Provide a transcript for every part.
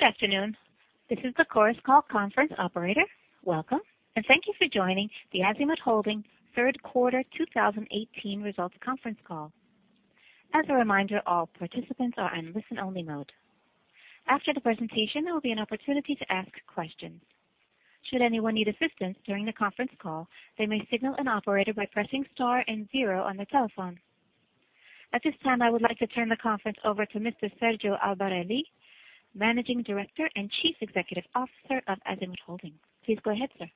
Good afternoon. This is the Chorus Call conference operator. Welcome, and thank you for joining the Azimut Holding third quarter 2018 results conference call. As a reminder, all participants are in listen-only mode. After the presentation, there will be an opportunity to ask questions. Should anyone need assistance during the conference call, they may signal an operator by pressing star and zero on their telephone. At this time, I would like to turn the conference over to Mr. Sergio Albarelli, Managing Director and Chief Executive Officer of Azimut Holding. Please go ahead, sir.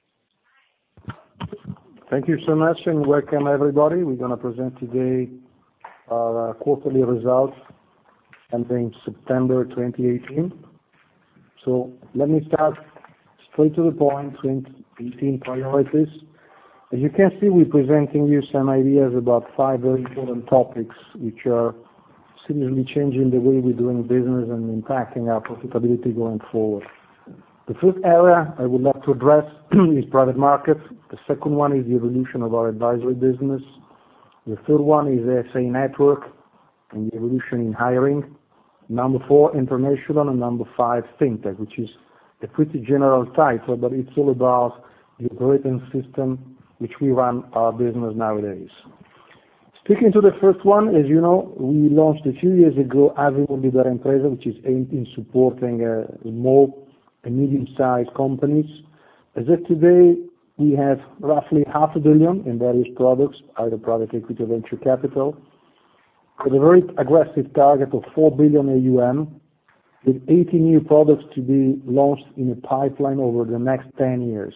Thank you so much, and welcome everybody. We're going to present today our quarterly results ending September 2018. Let me start straight to the point, 2018 priorities. As you can see, we're presenting you some ideas about five very important topics, which are significantly changing the way we're doing business and impacting our profitability going forward. The first area I would like to address is private markets. The second one is the evolution of our advisory business. The third one is FA network and the evolution in hiring. Number four, international, and Number five, FinTech, which is a pretty general title, but it's all about the operating system which we run our business nowadays. Speaking to the first one, as you know, we launched a few years ago, Azimut Libera Impresa, which is aimed in supporting small and medium-sized companies. As of today, we have roughly 500 million in various products, either private equity, venture capital, with a very aggressive target of 4 billion AUM, with 18 new products to be launched in a pipeline over the next 10 years.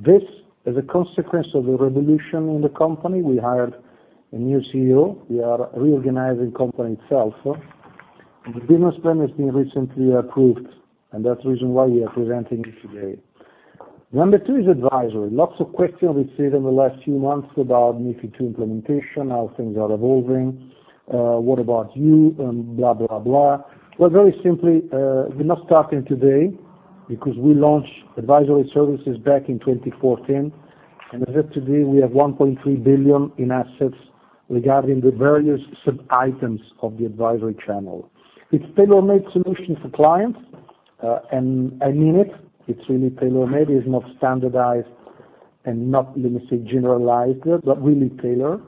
This is a consequence of a revolution in the company. We hired a new CEO. We are reorganizing company itself. The business plan has been recently approved, and that's the reason why we are presenting it today. Number two is advisory. Lots of questions we've seen in the last few months about MiFID II implementation, how things are evolving, what about you, and blah, blah. Well, very simply, we're not starting today because we launched advisory services back in 2014, and as of today, we have 1.3 billion in assets regarding the various sub-items of the advisory channel. It's tailor-made solution for clients, and I mean it. It's really tailor-made. It's not standardized and not, let me say, generalized, but really tailored.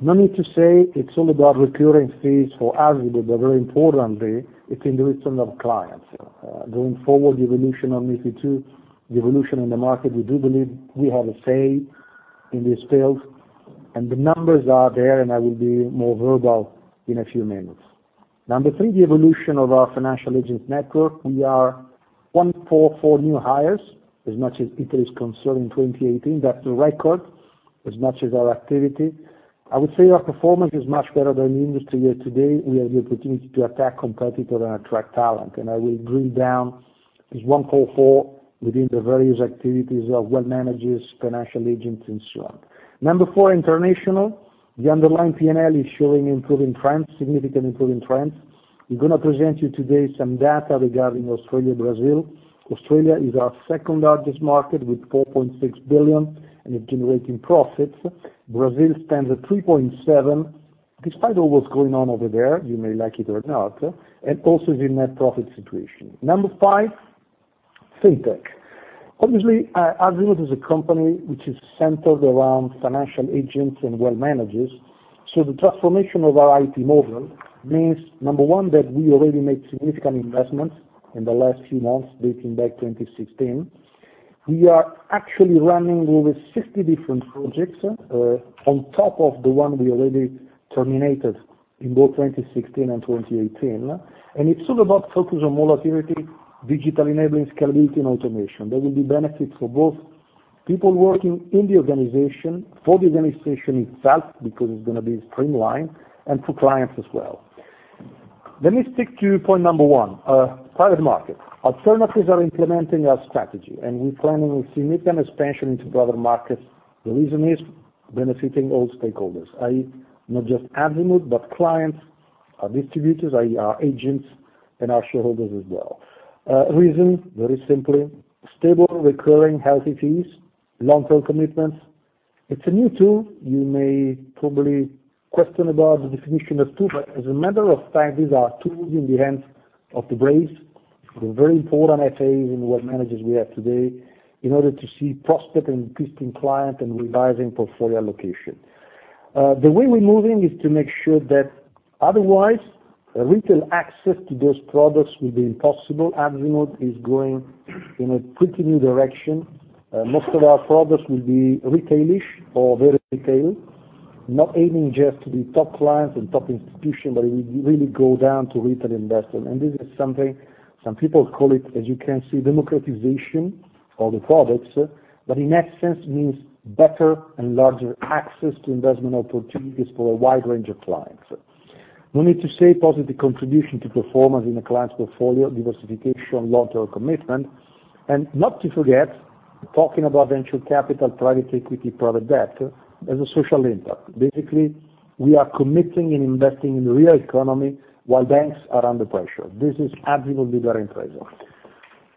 No need to say it's all about recurring fees for Azimut, but very importantly, it's in the return of clients. Going forward, the evolution of MiFID II, the evolution in the market, we do believe we have a say in this field, and the numbers are there, and I will be more verbal in a few minutes. Number three, the evolution of our financial agent network. We are 144 new hires, as much as Italy is concerned in 2018. That's a record as much as our activity. I would say our performance is much better than the industry. As today, we have the opportunity to attack competitor and attract talent, and I will drill down this 144 within the various activities of wealth managers, financial agents, and so on. Number four, international. The underlying P&L is showing improving trends, significant improving trends. We're going to present you today some data regarding Australia, Brazil. Australia is our second-largest market with 4.6 billion, and it's generating profits. Brazil stands at 3.7 billion, despite all what's going on over there, you may like it or not, and also is in net profit situation. Number five, FinTech. Obviously, Azimut is a company which is centered around financial agents and wealth managers. The transformation of our IT model means, number one, that we already made significant investments in the last few months, dating back 2016. We are actually running over 60 different projects, on top of the one we already terminated in both 2016 and 2018. It's all about focus on volatility, digital enabling, scalability, and automation. There will be benefits for both people working in the organization, for the organization itself, because it's going to be streamlined, and for clients as well. Let me stick to point number one, private market. Alternatives are implementing our strategy. We're planning a significant expansion into broader markets. The reason is benefiting all stakeholders, i.e., not just Azimut, but clients, our distributors, our agents, and our shareholders as well. Reason, very simply, stable, recurring, healthy fees, long-term commitments. It's a new tool. You may probably question about the definition of tool, but as a matter of fact, these are tools in the hands of the FAs. They're very important FAs and wealth managers we have today in order to see prospect and existing client and revising portfolio allocation. The way we're moving is to make sure that otherwise, retail access to those products will be impossible. Azimut is going in a pretty new direction. Most of our products will be retail-ish or very retail, not aiming just to be top clients and top institution, but it will really go down to retail investment. This is something some people call it, as you can see, democratization of the products, but in that sense means better and larger access to investment opportunities for a wide range of clients. No need to say, positive contribution to performance in a client's portfolio, diversification, long-term commitment. Not to forget, talking about venture capital, private equity, private debt as a social impact. Basically, we are committing and investing in real economy while banks are under pressure. This is Azimut Libera Impresa.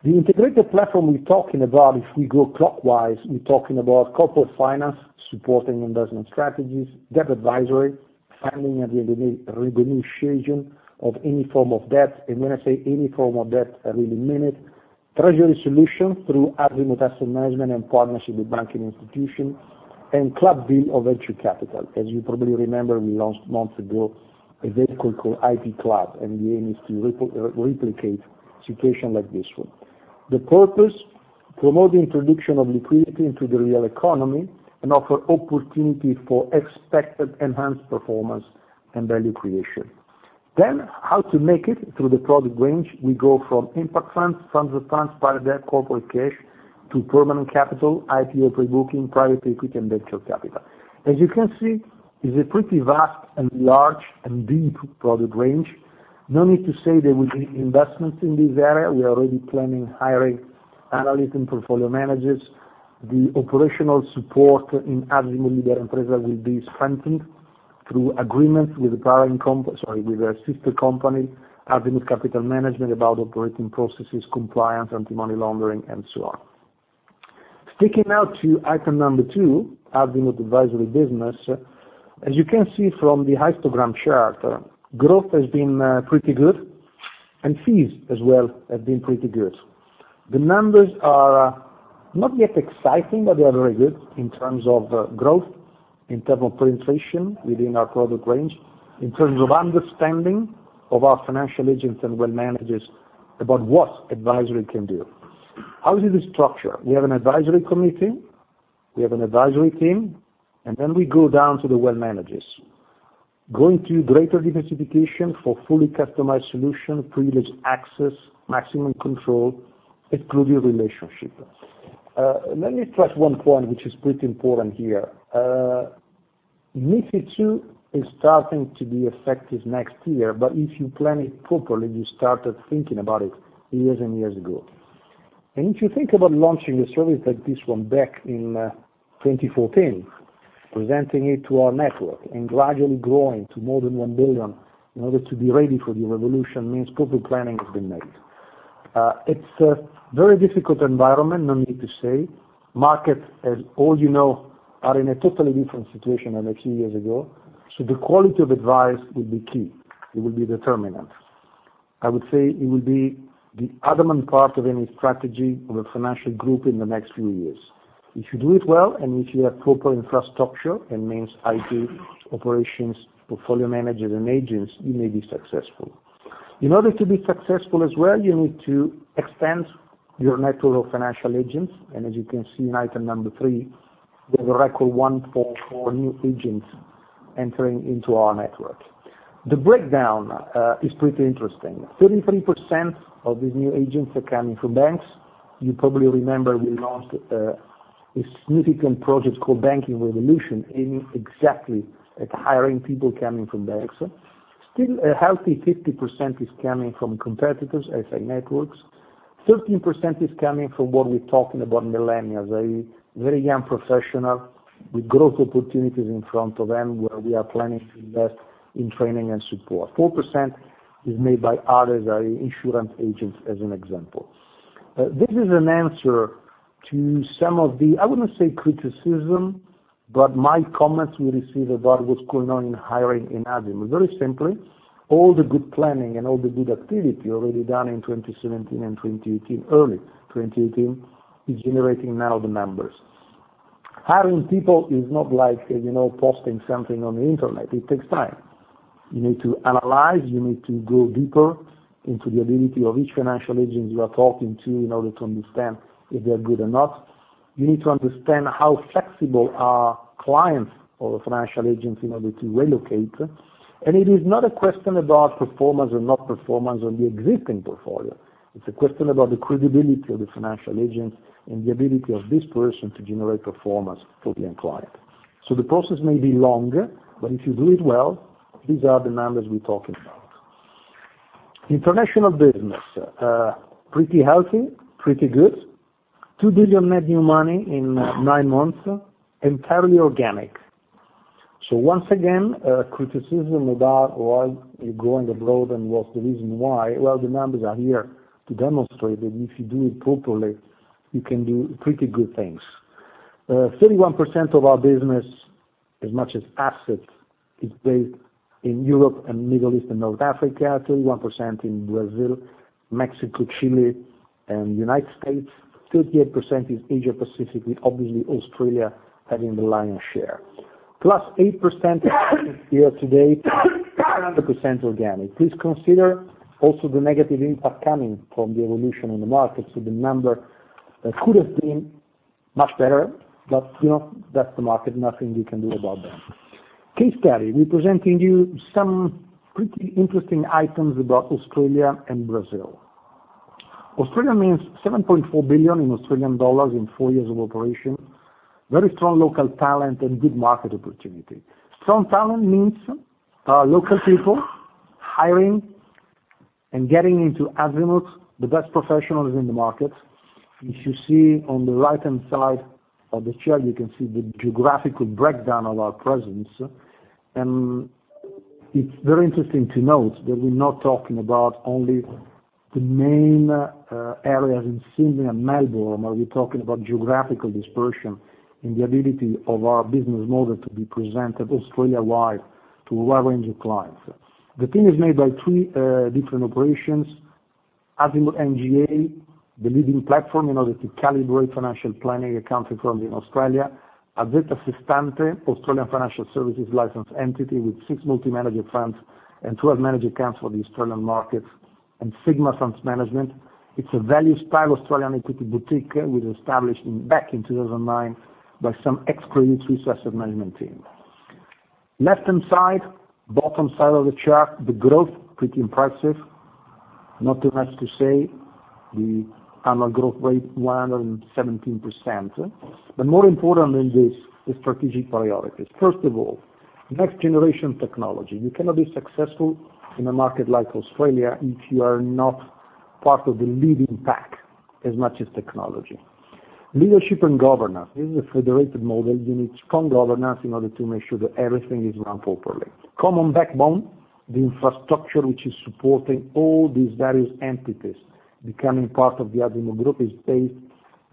The integrated platform we're talking about, if we go clockwise, we're talking about corporate finance, supporting investment strategies, debt advisory, funding at the renegotiation of any form of debt. When I say any form of debt, I really mean it. Treasury solutions through Azimut Asset Management and partnership with banking institution, and club deal of venture capital. As you probably remember, we launched months ago a vehicle called IP Club. The aim is to replicate situation like this one. The purpose, promote the introduction of liquidity into the real economy and offer opportunity for expected enhanced performance and value creation. How to make it through the product range, we go from impact funds of funds, private debt, corporate cash, to permanent capital, IPO pre-booking, private equity, and venture capital. As you can see, it's a pretty vast and large and deep product range. No need to say there will be investments in this area. We are already planning hiring analysts and portfolio managers. The operational support in Azimut Libera Impresa will be strengthened through agreements with the sister company, Azimut Capital Management, about operating processes, compliance, anti-money laundering, and so on. Sticking now to item number two, Azimut Advisory business. As you can see from the histogram chart, growth has been pretty good, fees as well have been pretty good. The numbers are not yet exciting, they are very good in terms of growth, in terms of penetration within our product range, in terms of understanding of our financial agents and wealth managers about what advisory can do. How is it structured? We have an advisory committee, we have an advisory team, we go down to the wealth managers. Going to greater diversification for fully customized solution, privileged access, maximum control, exclusive relationship. Let me stress one point, which is pretty important here. MiFID II is starting to be effective next year, if you plan it properly, you started thinking about it years and years ago. If you think about launching a service like this one back in 2014, presenting it to our network, and gradually growing to more than 1 billion in order to be ready for the revolution means proper planning has been made. It's a very difficult environment, no need to say. Markets, as all you know, are in a totally different situation than a few years ago, the quality of advice will be key. It will be determinant. I would say it will be the adamant part of any strategy of a financial group in the next few years. If you do it well, if you have proper infrastructure, it means IT, operations, portfolio managers, and agents, you may be successful. In order to be successful as well, you need to expand your network of financial agents. As you can see in item number three, there's a record 144 new agents entering into our network. The breakdown is pretty interesting. 33% of these new agents are coming from banks. You probably remember we launched a significant project called Banking Revolution, aiming exactly at hiring people coming from banks. Still, a healthy 50% is coming from competitors, FA networks. 13% is coming from what we're talking about millennials, very young professional with growth opportunities in front of them, where we are planning to invest in training and support. 4% is made by others, insurance agents, as an example. This is an answer to some of the, I wouldn't say criticism, mild comments we receive about what's going on in hiring in Azimut. Very simply, all the good planning and all the good activity already done in 2017 and 2018, early 2018, is generating now the numbers. Hiring people is not like posting something on the internet. It takes time. You need to analyze. You need to go deeper into the ability of each financial agent you are talking to in order to understand if they're good or not. You need to understand how flexible are clients of the financial agents in order to relocate. It is not a question about performance or not performance on the existing portfolio. It's a question about the credibility of the financial agent and the ability of this person to generate performance for the end client. The process may be long, if you do it well, these are the numbers we're talking about. International business, pretty healthy, pretty good. 2 billion net new money in nine months, entirely organic. Once again, criticism about, well, you're growing abroad, and what's the reason why? The numbers are here to demonstrate that if you do it properly, you can do pretty good things. 31% of our business, as much as assets, is based in Europe and Middle East and North Africa. 31% in Brazil, Mexico, Chile, and United States. 38% is Asia Pacific, with obviously Australia having the lion's share. +8% year-to-date, 100% organic. Please consider also the negative impact coming from the evolution in the market. The number could have been much better, but that's the market. Nothing we can do about that. Case study. We're presenting you some pretty interesting items about Australia and Brazil. Australia means 7.4 billion in four years of operation. Very strong local talent and good market opportunity. Strong talent means local people, hiring, and getting into Azimut the best professionals in the market. If you see on the right-hand side of the chart, you can see the geographical breakdown of our presence. It's very interesting to note that we're not talking about only the main areas in Sydney and Melbourne, are we talking about geographical dispersion and the ability of our business model to be presented Australia-wide to a wide range of clients. The team is made by three different operations. AZ NGA, the leading platform in order to calibrate financial planning accounts in Australia. AZ Sestante, Australian financial services licensed entity with six multi-manager funds and 12 manager accounts for the Australian markets. Sigma Funds Management, it's a value-style Australian equity boutique we established back in 2009 by some ex-Credit Suisse Asset Management team. Left-hand side, bottom side of the chart, the growth, pretty impressive. Not too much to say, the annual growth rate, 117%. More important than this, the strategic priorities. First of all, next-generation technology. You cannot be successful in a market like Australia if you are not part of the leading pack as much as technology. Leadership and governance. This is a federated model. You need strong governance in order to make sure that everything is run properly. Common backbone, the infrastructure which is supporting all these various entities. Becoming part of the Azimut Group is based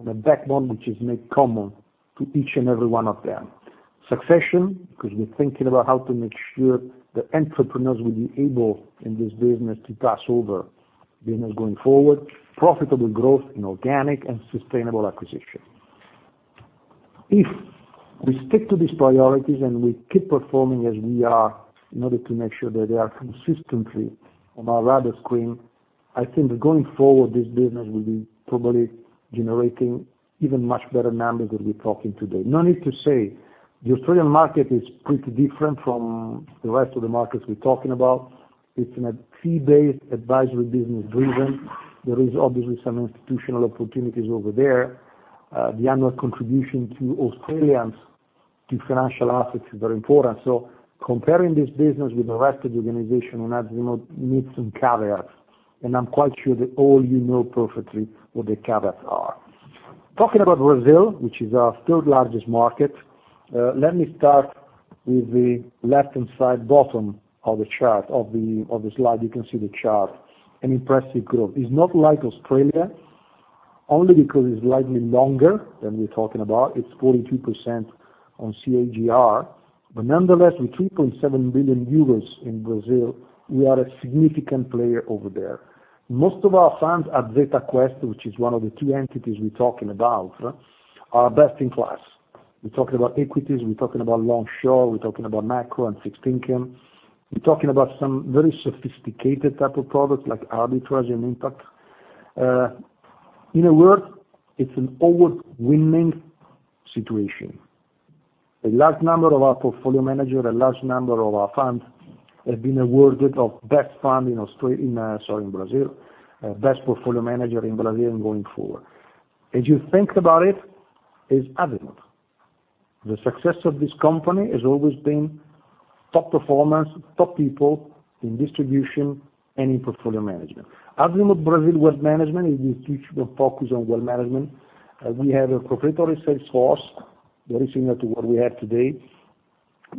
on a backbone which is made common to each and every one of them. Succession, because we're thinking about how to make sure that entrepreneurs will be able, in this business, to pass over business going forward. Profitable growth, organic and sustainable acquisition. If we stick to these priorities and we keep performing as we are in order to make sure that they are consistently on our radar screen, I think going forward, this business will be probably generating even much better numbers than we're talking today. No need to say, the Australian market is pretty different from the rest of the markets we're talking about. It's a fee-based, advisory business-driven. There is obviously some institutional opportunities over there. The annual contribution to Australians to financial assets is very important. Comparing this business with the rest of the organization on Azimut needs some caveats, and I'm quite sure that all you know perfectly what the caveats are. Talking about Brazil, which is our third largest market, let me start with the left-hand side bottom of the chart, of the slide you can see the chart. An impressive growth. It's not like Australia, only because it's slightly longer than we're talking about. It's 42% on CAGR. Nonetheless, with 3.7 billion euros in Brazil, we are a significant player over there. Most of our funds at AZ Quest, which is one of the two entities we're talking about, are best in class. We're talking about equities, we're talking about long/short, we're talking about macro and fixed income. We're talking about some very sophisticated type of products like arbitrage and impact. In a word, it's an award-winning situation. A large number of our portfolio manager, a large number of our funds, have been awarded of best fund in Australia, sorry, in Brazil, best portfolio manager in Brazil and going forward. As you think about it's Azimut. The success of this company has always been top performance, top people in distribution, and in portfolio management. Azimut Brasil Wealth Management is the future of focus on wealth management. We have a proprietary sales force, very similar to what we have today.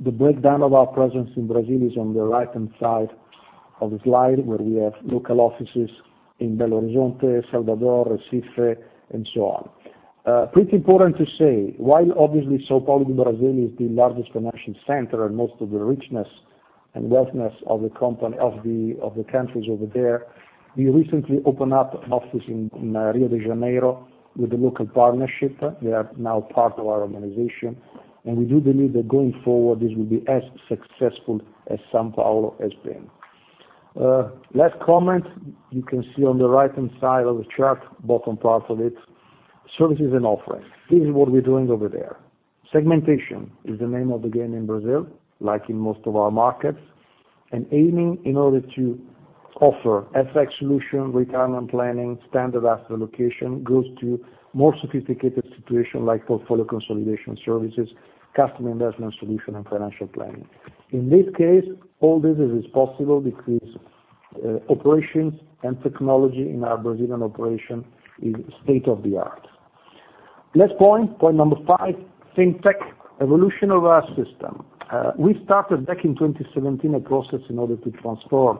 The breakdown of our presence in Brazil is on the right-hand side of the slide, where we have local offices in Belo Horizonte, Salvador, Recife, and so on. Pretty important to say, while obviously São Paulo, Brazil, is the largest financial center and most of the richness and wealthness of the countries over there, we recently opened up an office in Rio de Janeiro with a local partnership. They are now part of our organization, and we do believe that going forward, this will be as successful as São Paulo has been. Last comment, you can see on the right-hand side of the chart, bottom part of it, services and offerings. This is what we're doing over there. Segmentation is the name of the game in Brazil, like in most of our markets. Aiming in order to offer FX solution, retirement planning, standard asset location, goes to more sophisticated situation like portfolio consolidation services, custom investment solution, and financial planning. In this case, all this is possible because operations and technology in our Brazilian operation is state of the art. Last point number five, FinTech evolution of our system. We started back in 2017, a process in order to transform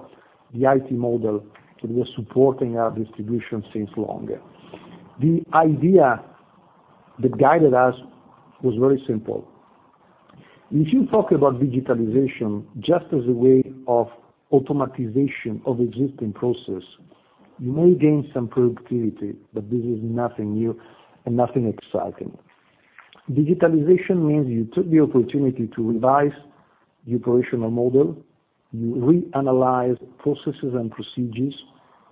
the IT model that was supporting our distribution since long. The idea that guided us was very simple. If you talk about digitalization just as a way of automatization of existing process, you may gain some productivity, but this is nothing new and nothing exciting. Digitalization means you took the opportunity to revise the operational model, you reanalyze processes and procedures,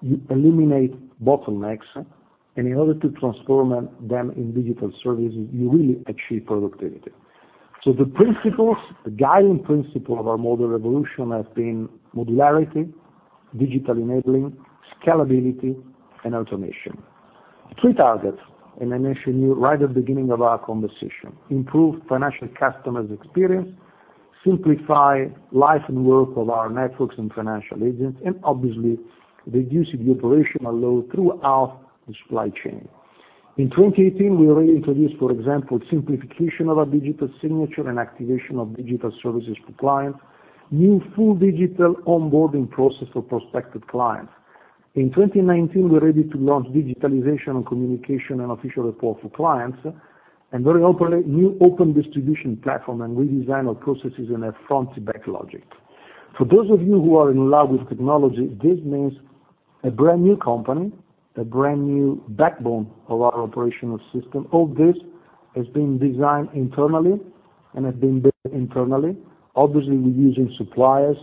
you eliminate bottlenecks, in order to transform them in digital services, you really achieve productivity. The principles, the guiding principle of our model revolution has been modularity, digital enabling, scalability, and automation. Three targets, I mentioned to you right at the beginning of our conversation, improve financial customers' experience, simplify life and work of our networks and financial agents, and obviously, reducing the operational load throughout the supply chain. In 2018, we already introduced, for example, simplification of our digital signature and activation of digital services for clients, new full digital onboarding process for prospective clients. In 2019, we're ready to launch digitalization and communication and official report for clients, We operate new open distribution platform and redesign our processes in a front-to-back logic. For those of you who are in love with technology, this means a brand new company, a brand new backbone of our operational system. All this has been designed internally and has been built internally. Obviously, we're using suppliers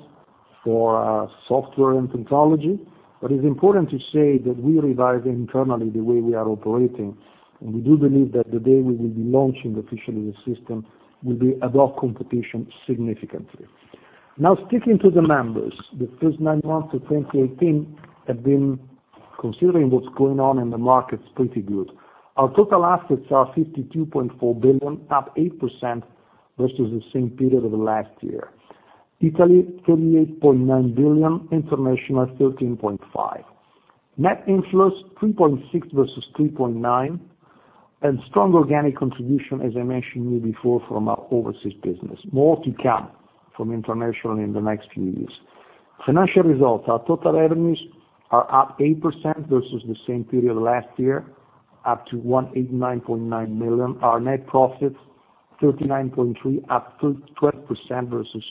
for our software and technology, but it's important to say that we revise internally the way we are operating, and we do believe that the day we will be launching officially the system, will be above competition significantly. Sticking to the numbers. The first nine months of 2018 have been, considering what's going on in the markets, pretty good. Our total assets are 52.4 billion, up 8% versus the same period of last year. Italy, 38.9 billion, international, 13.5 billion. Net inflows, 3.6 billion versus 3.9 billion, and strong organic contribution, as I mentioned you before, from our overseas business. More to come from international in the next few years. Financial results. Our total revenues are up 8% versus the same period last year, up to 189.9 million. Our net profits, 39.3 million, up 12% versus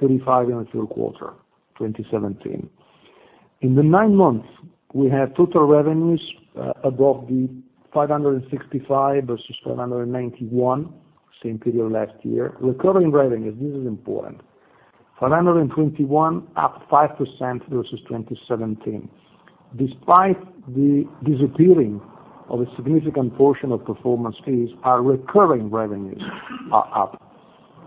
35 million in the third quarter 2017. In the nine months, we have total revenues above 565 million versus 591 million, same period last year. Recurring revenues, this is important, 521 million, up 5% versus 2017. Despite the disappearing of a significant portion of performance fees, our recurring revenues are up,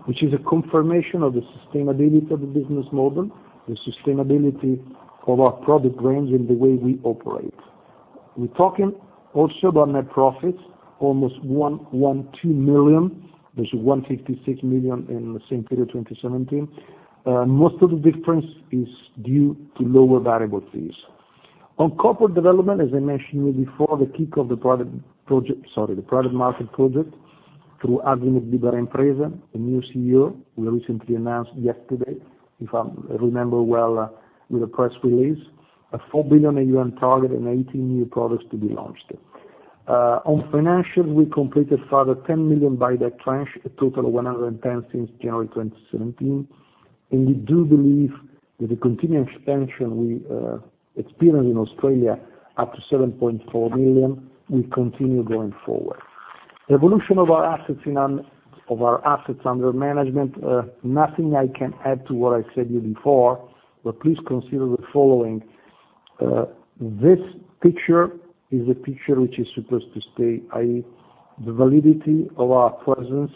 which is a confirmation of the sustainability of the business model, the sustainability of our product range, and the way we operate. We're talking also about net profits, almost 112 million versus 156 million in the same period 2017. Most of the difference is due to lower variable fees. On corporate development, as I mentioned you before, the kick of the private market project through Azimut Libera Impresa, a new CEO we recently announced yesterday, if I remember well, with a press release. A 4 billion a year on target and 18 new products to be launched. On financials, we completed further 10 million buyback tranche, a total of 110 million since January 2017. We do believe with the continued expansion we experienced in Australia, up to 7.4 billion, we continue going forward. Evolution of our assets under management, nothing I can add to what I said you before, but please consider the following. This picture is a picture which is supposed to stay, i.e., the validity of our presence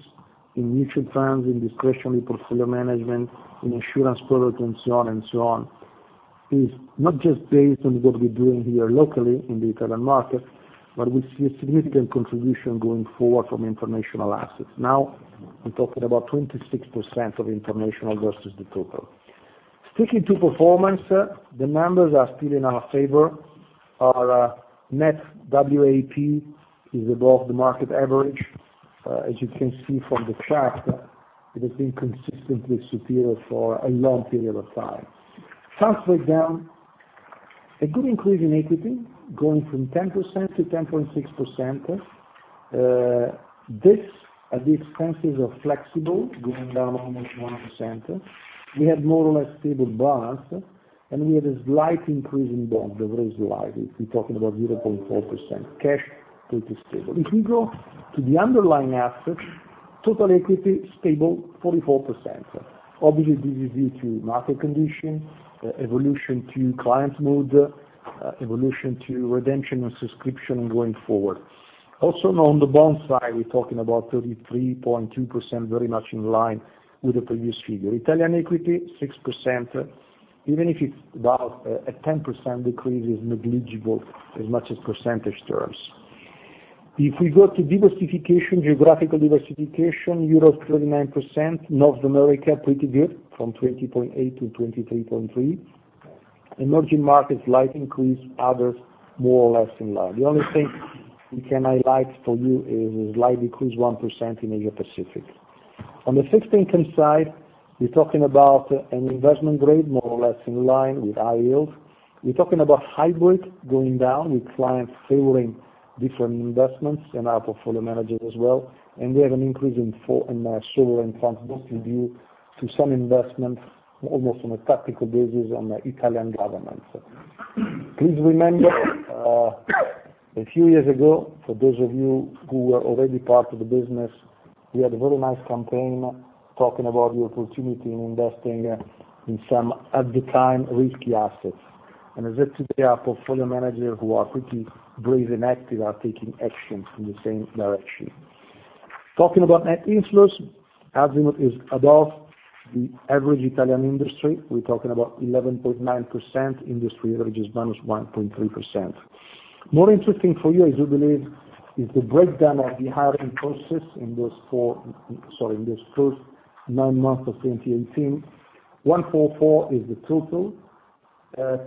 in mutual funds, in discretionary portfolio management, in insurance product, and so on. It is not just based on what we're doing here locally in the Italian market, but we see a significant contribution going forward from international assets. We're talking about 26% of international versus the total. Sticking to performance, the numbers are still in our favor. Our net WAP is above the market average. As you can see from the chart, it has been consistently superior for a long period of time. Transfer down, a good increase in equity, going from 10%-10.6%. This at the expense of flexible, going down almost 1%. We have more or less stable bonds, we have a slight increase in bond, very slight, we're talking about 0.4%. Cash, pretty stable. If we go to the underlying assets, total equity, stable, 44%. Obviously, this is due to market condition, evolution to client mode, evolution to redemption and subscription going forward. Also, on the bond side, we're talking about 33.2%, very much in line with the previous figure. Italian equity, 6%, even if it's about a 10% decrease, is negligible as much as percentage terms. If we go to diversification, geographical diversification, Europe, 39%, North America, pretty good, from 20.8%-23.3%. Emerging markets, slight increase. Others, more or less in line. The only thing we can highlight for you is a slight decrease, 1% in Asia Pacific. On the fixed income side, we're talking about an investment grade more or less in line with high yields. We're talking about hybrid going down, with clients favoring different investments and our portfolio managers as well. We have an increase in sovereign funds, mostly due to some investment, almost on a tactical basis, on the Italian government. Please remember, a few years ago, for those of you who were already part of the business, we had a very nice campaign talking about the opportunity in investing in some, at the time, risky assets. As of today, our portfolio managers, who are pretty brave and active, are taking action in the same direction. Talking about net inflows, Azimut is above the average Italian industry. We're talking about 11.9%. Industry average is -1.3%. More interesting for you, I do believe, is the breakdown of the hiring process in this first nine months of 2018. 144 is the total.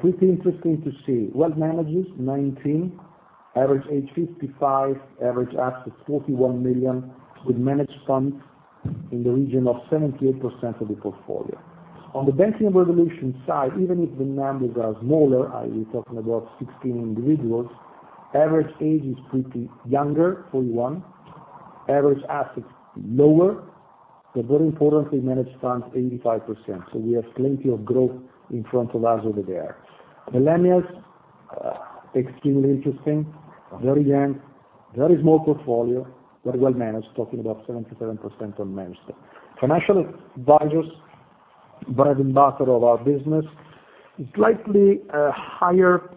Pretty interesting to see. Wealth managers, 19. Average age 55, average assets 41 million, with managed funds in the region of 78% of the portfolio. On the Banking Revolution side, even if the numbers are smaller, you're talking about 16 individuals, average age is pretty younger, 41. Average assets lower, but very importantly, managed funds 85%. We have plenty of growth in front of us over there. Millennials, extremely interesting. Very young, very small portfolio, very well managed, talking about 77% on managed. Financial advisors, bread and butter of our business. Slightly higher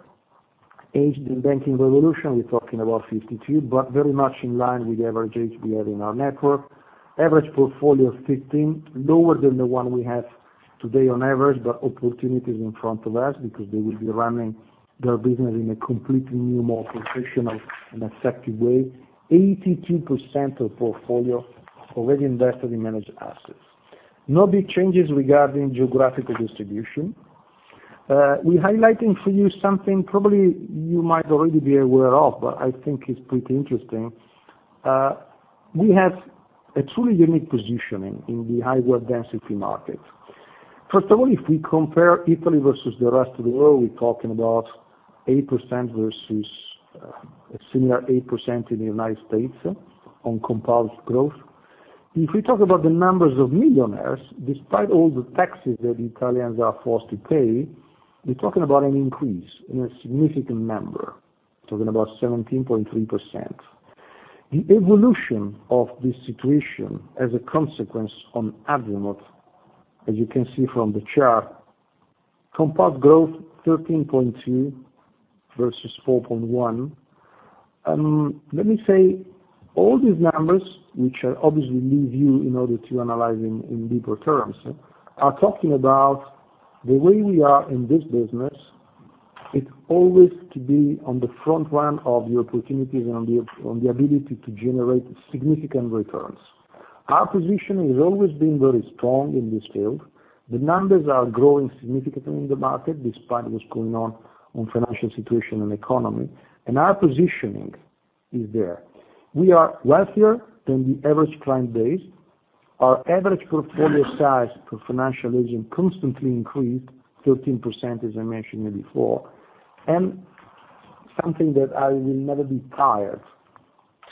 age than Banking Revolution. We're talking about 52, very much in line with the average age we have in our network. Average portfolio of 15, lower than the one we have today on average, opportunities in front of us because they will be running their business in a completely new, more professional, and effective way. 82% of portfolio already invested in managed assets. No big changes regarding geographical distribution. We're highlighting for you something probably you might already be aware of, but I think it's pretty interesting. We have a truly unique positioning in the high wealth density market. First of all, if we compare Italy versus the rest of the world, we're talking about 8% versus a similar 8% in the U.S. on compound growth. If we talk about the numbers of millionaires, despite all the taxes that Italians are forced to pay, we're talking about an increase in a significant number, talking about 17.3%. The evolution of this situation as a consequence on Azimut, as you can see from the chart, compound growth 13.2% versus 4.1%. Let me say, all these numbers, which I obviously leave you in order to analyze in deeper terms, are talking about the way we are in this business. It's always to be on the front line of the opportunities and on the ability to generate significant returns. Our position has always been very strong in this field. The numbers are growing significantly in the market, despite what's going on financial situation and economy, and our positioning is there. We are wealthier than the average client base. Our average portfolio size per financial agent constantly increased, 13%, as I mentioned before. Something that I will never be tired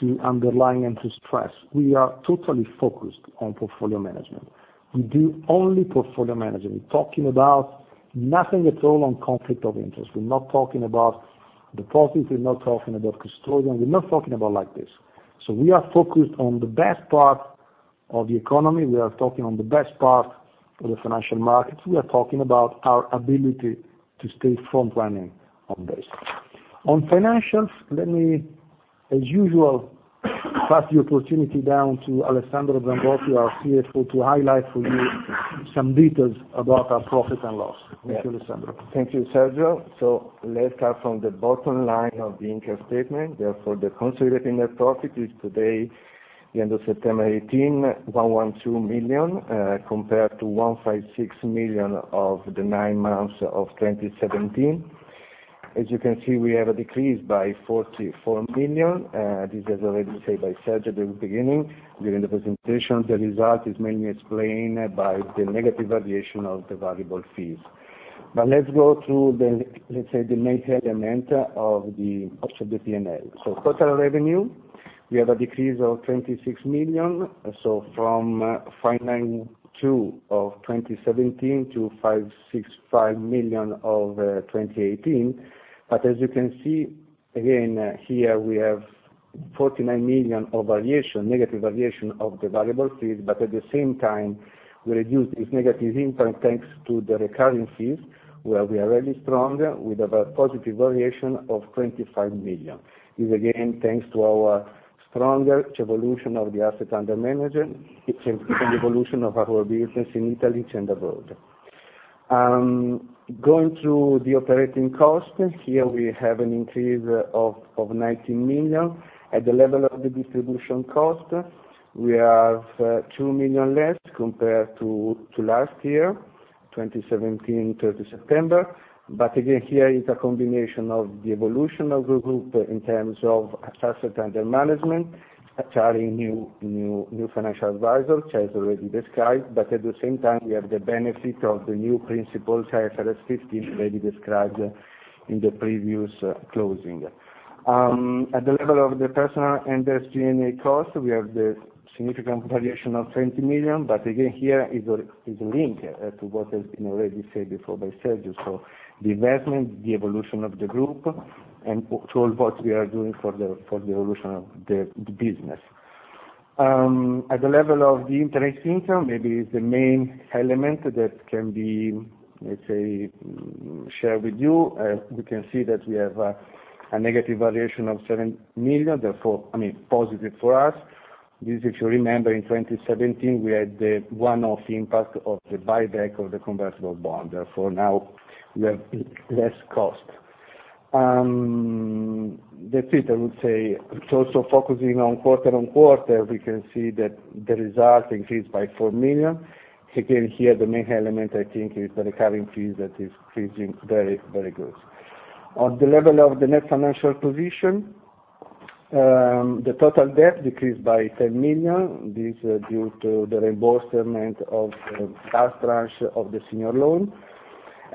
to underline and to stress, we are totally focused on portfolio management. We do only portfolio management. We're talking about nothing at all on conflict of interest. We're not talking about deposits, we're not talking about custodian, we're not talking about like this. We are focused on the best part of the economy. We are focused on the best part of the financial markets. We are talking about our ability to stay front running on this. On financials, let me, as usual, pass the opportunity down to Alessandro Zambotti, our CFO, to highlight for you some details about our profits and loss. Thank you, Alessandro. Thank you, Sergio. Let's start from the bottom line of the income statement. The consolidated net profit is today, the end of September 2018, 112 million, compared to 156 million of the nine months of 2017. As you can see, we have a decrease by 44 million. This is already said by Sergio at the beginning during the presentation. The result is mainly explained by the negative variation of the variable fees. Let's go through the, let's say, the main element of the P&L. Total revenue, we have a decrease of 26 million. From 592 million of 2017 to 565 million of 2018. As you can see, again, here we have 49 million of negative variation of the variable fees, but at the same time, we reduced this negative impact thanks to the recurring fees, where we are really strong. We have a positive variation of 25 million. This is again, thanks to our stronger evolution of the assets under management, and evolution of our business in Italy and abroad. Going through the operating cost, here we have an increase of 19 million. At the level of the distribution cost, we have 2 million less compared to last year, September 30, 2017. Again, here is a combination of the evolution of the group in terms of assets under management, charging new financial advisors, as already described, but at the same time, we have the benefit of the new principles, IFRS 15, already described in the previous closing. At the level of the personnel and SG&A costs, we have the significant variation of 20 million, again, here is a link to what has been already said before by Sergio. The investment, the evolution of the group, and to what we are doing for the evolution of the business. At the level of the interest income, maybe it's the main element that can be, let's say, shared with you. As we can see that we have a negative variation of 7 million, I mean, positive for us. This, if you remember, in 2017, we had the one-off impact of the buyback of the convertible bond. Therefore, now we have less cost. That's it, I would say. Also focusing on quarter-on-quarter, we can see that the result increased by 4 million. Again, here, the main element, I think, is the recurring fees that is increasing very good. On the level of the NFP, the total debt decreased by 10 million. This is due to the reimbursement of last tranche of the senior loan.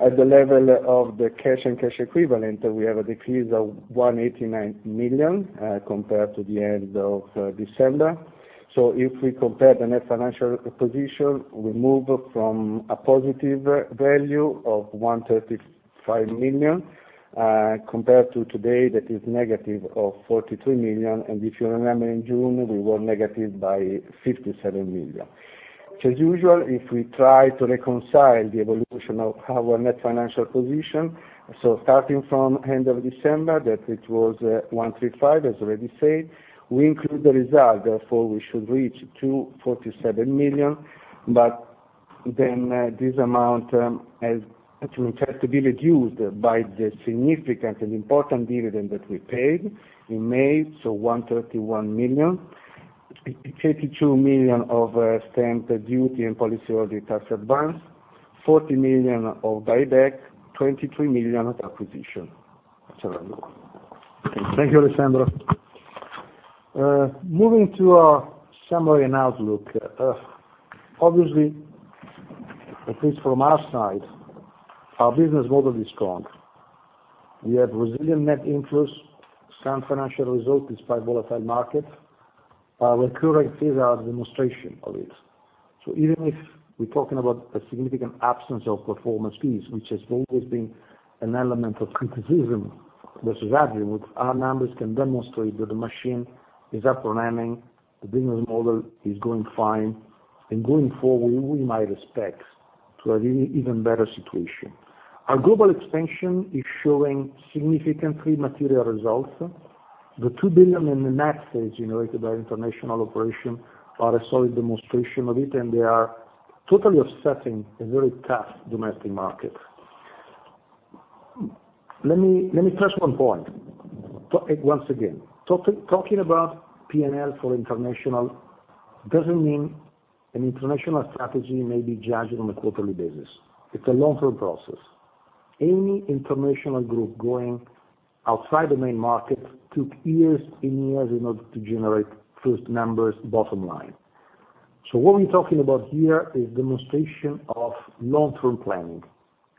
At the level of the cash and cash equivalent, we have a decrease of 189 million, compared to the end of December. If we compare the NFP, we move from a positive value of 135 million, compared to today, that is negative of 43 million. If you remember, in June, we were negative by 57 million. As usual, if we try to reconcile the evolution of our NFP, starting from end of December, that it was 135 million, as already said. We include the result, therefore, we should reach 247 million. This amount has actually had to be reduced by the significant and important dividend that we paid in May, 131 million. 32 million of stamp duty and policyholder tax advance, 40 million of buyback, 23 million acquisition. Thank you, Alessandro. Moving to our summary and outlook. At least from our side, our business model is strong. We have resilient net inflows, sound financial result despite volatile market. Our recurring fees are a demonstration of it. Even if we're talking about a significant absence of performance fees, which has always been an element of criticism versus Azimut, our numbers can demonstrate that the machine is up and running, the business model is going fine, and going forward, we might expect to have even better situation. Our global expansion is showing significantly material results. The 2 billion in net sales generated by international operation are a solid demonstration of it, and they are totally offsetting a very tough domestic market. Let me stress one point. Once again, talking about P&L for international doesn't mean an international strategy may be judged on a quarterly basis. It's a long-term process. Any international group going outside the main market took years in order to generate first numbers bottom line. What we're talking about here is demonstration of long-term planning.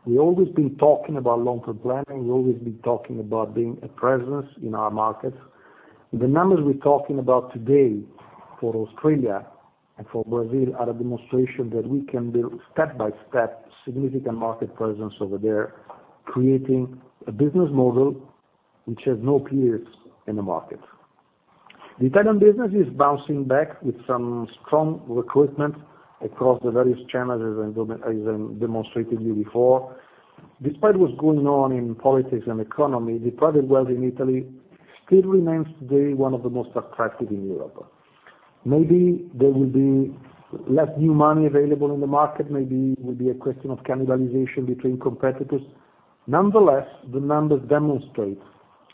We always been talking about long-term planning. We always been talking about being a presence in our markets. The numbers we're talking about today for Australia and for Brazil are a demonstration that we can build, step by step, significant market presence over there, creating a business model which has no peers in the market. The Italian business is bouncing back with some strong recruitment across the various challenges I demonstrated you before. Despite what's going on in politics and economy, the private wealth in Italy still remains today one of the most attractive in Europe. Maybe there will be less new money available in the market, maybe it will be a question of cannibalization between competitors. Nonetheless, the numbers demonstrate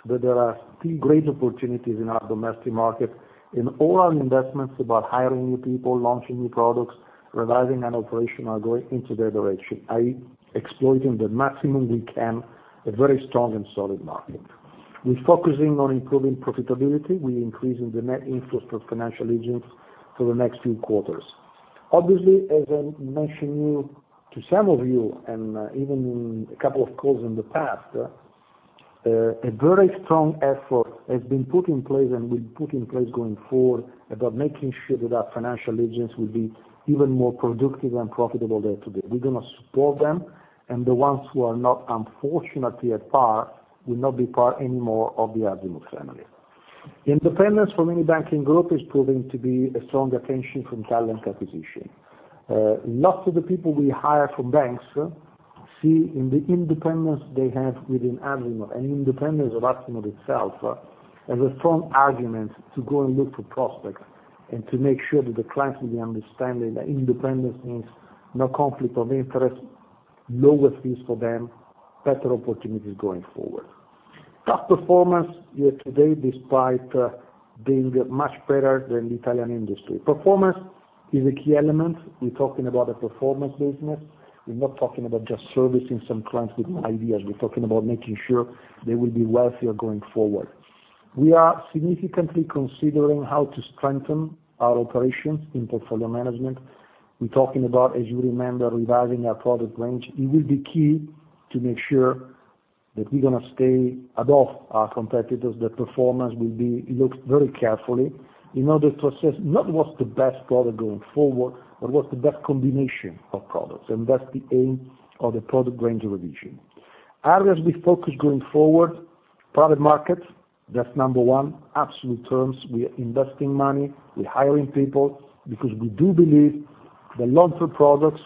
that there are still great opportunities in our domestic market, and all our investments about hiring new people, launching new products, revising an operation are going into that direction, i.e., exploiting the maximum we can, a very strong and solid market. We're focusing on improving profitability. We're increasing the net inflows for financial agents for the next few quarters. Obviously, as I mentioned to some of you, and even in a couple of calls in the past, a very strong effort has been put in place, and will put in place going forward, about making sure that our financial agents will be even more productive and profitable than today. We're going to support them, and the ones who are not unfortunately at par, will not be part anymore of the Azimut family. Independence from any banking group is proving to be a strong attraction from talent acquisition. Lots of the people we hire from banks see in the independence they have within Azimut, and independence of Azimut itself, as a strong argument to go and look for prospects and to make sure that the clients will be understanding that independence means no conflict of interest, lower fees for them, better opportunities going forward. Top performance year to date, despite being much better than the Italian industry. Performance is a key element. We're talking about a performance business. We're not talking about just servicing some clients with ideas. We're talking about making sure they will be wealthier going forward. We are significantly considering how to strengthen our operations in portfolio management. We're talking about, as you remember, revising our product range. It will be key to make sure that we're going to stay above our competitors. The performance will be looked very carefully in order to assess not what's the best product going forward, but what's the best combination of products, and that's the aim of the product range revision. Areas we focus going forward, private market, that's number one. Absolute terms, we are investing money, we're hiring people because we do believe the long-term products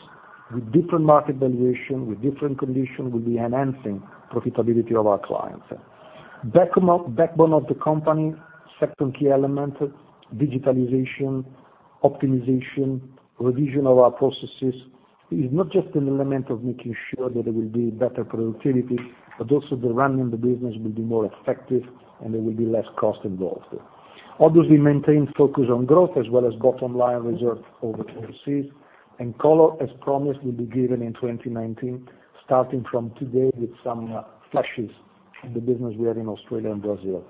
with different market valuation, with different condition, will be enhancing profitability of our clients. Backbone of the company, second key element, digitalization, optimization, revision of our processes. It is not just an element of making sure that there will be better productivity, but also the running of the business will be more effective, and there will be less cost involved. Obviously, maintain focus on growth as well as bottom line reserve over overseas, and color, as promised, will be given in 2019, starting from today with some flashes in the business we are in Australia and Brazil.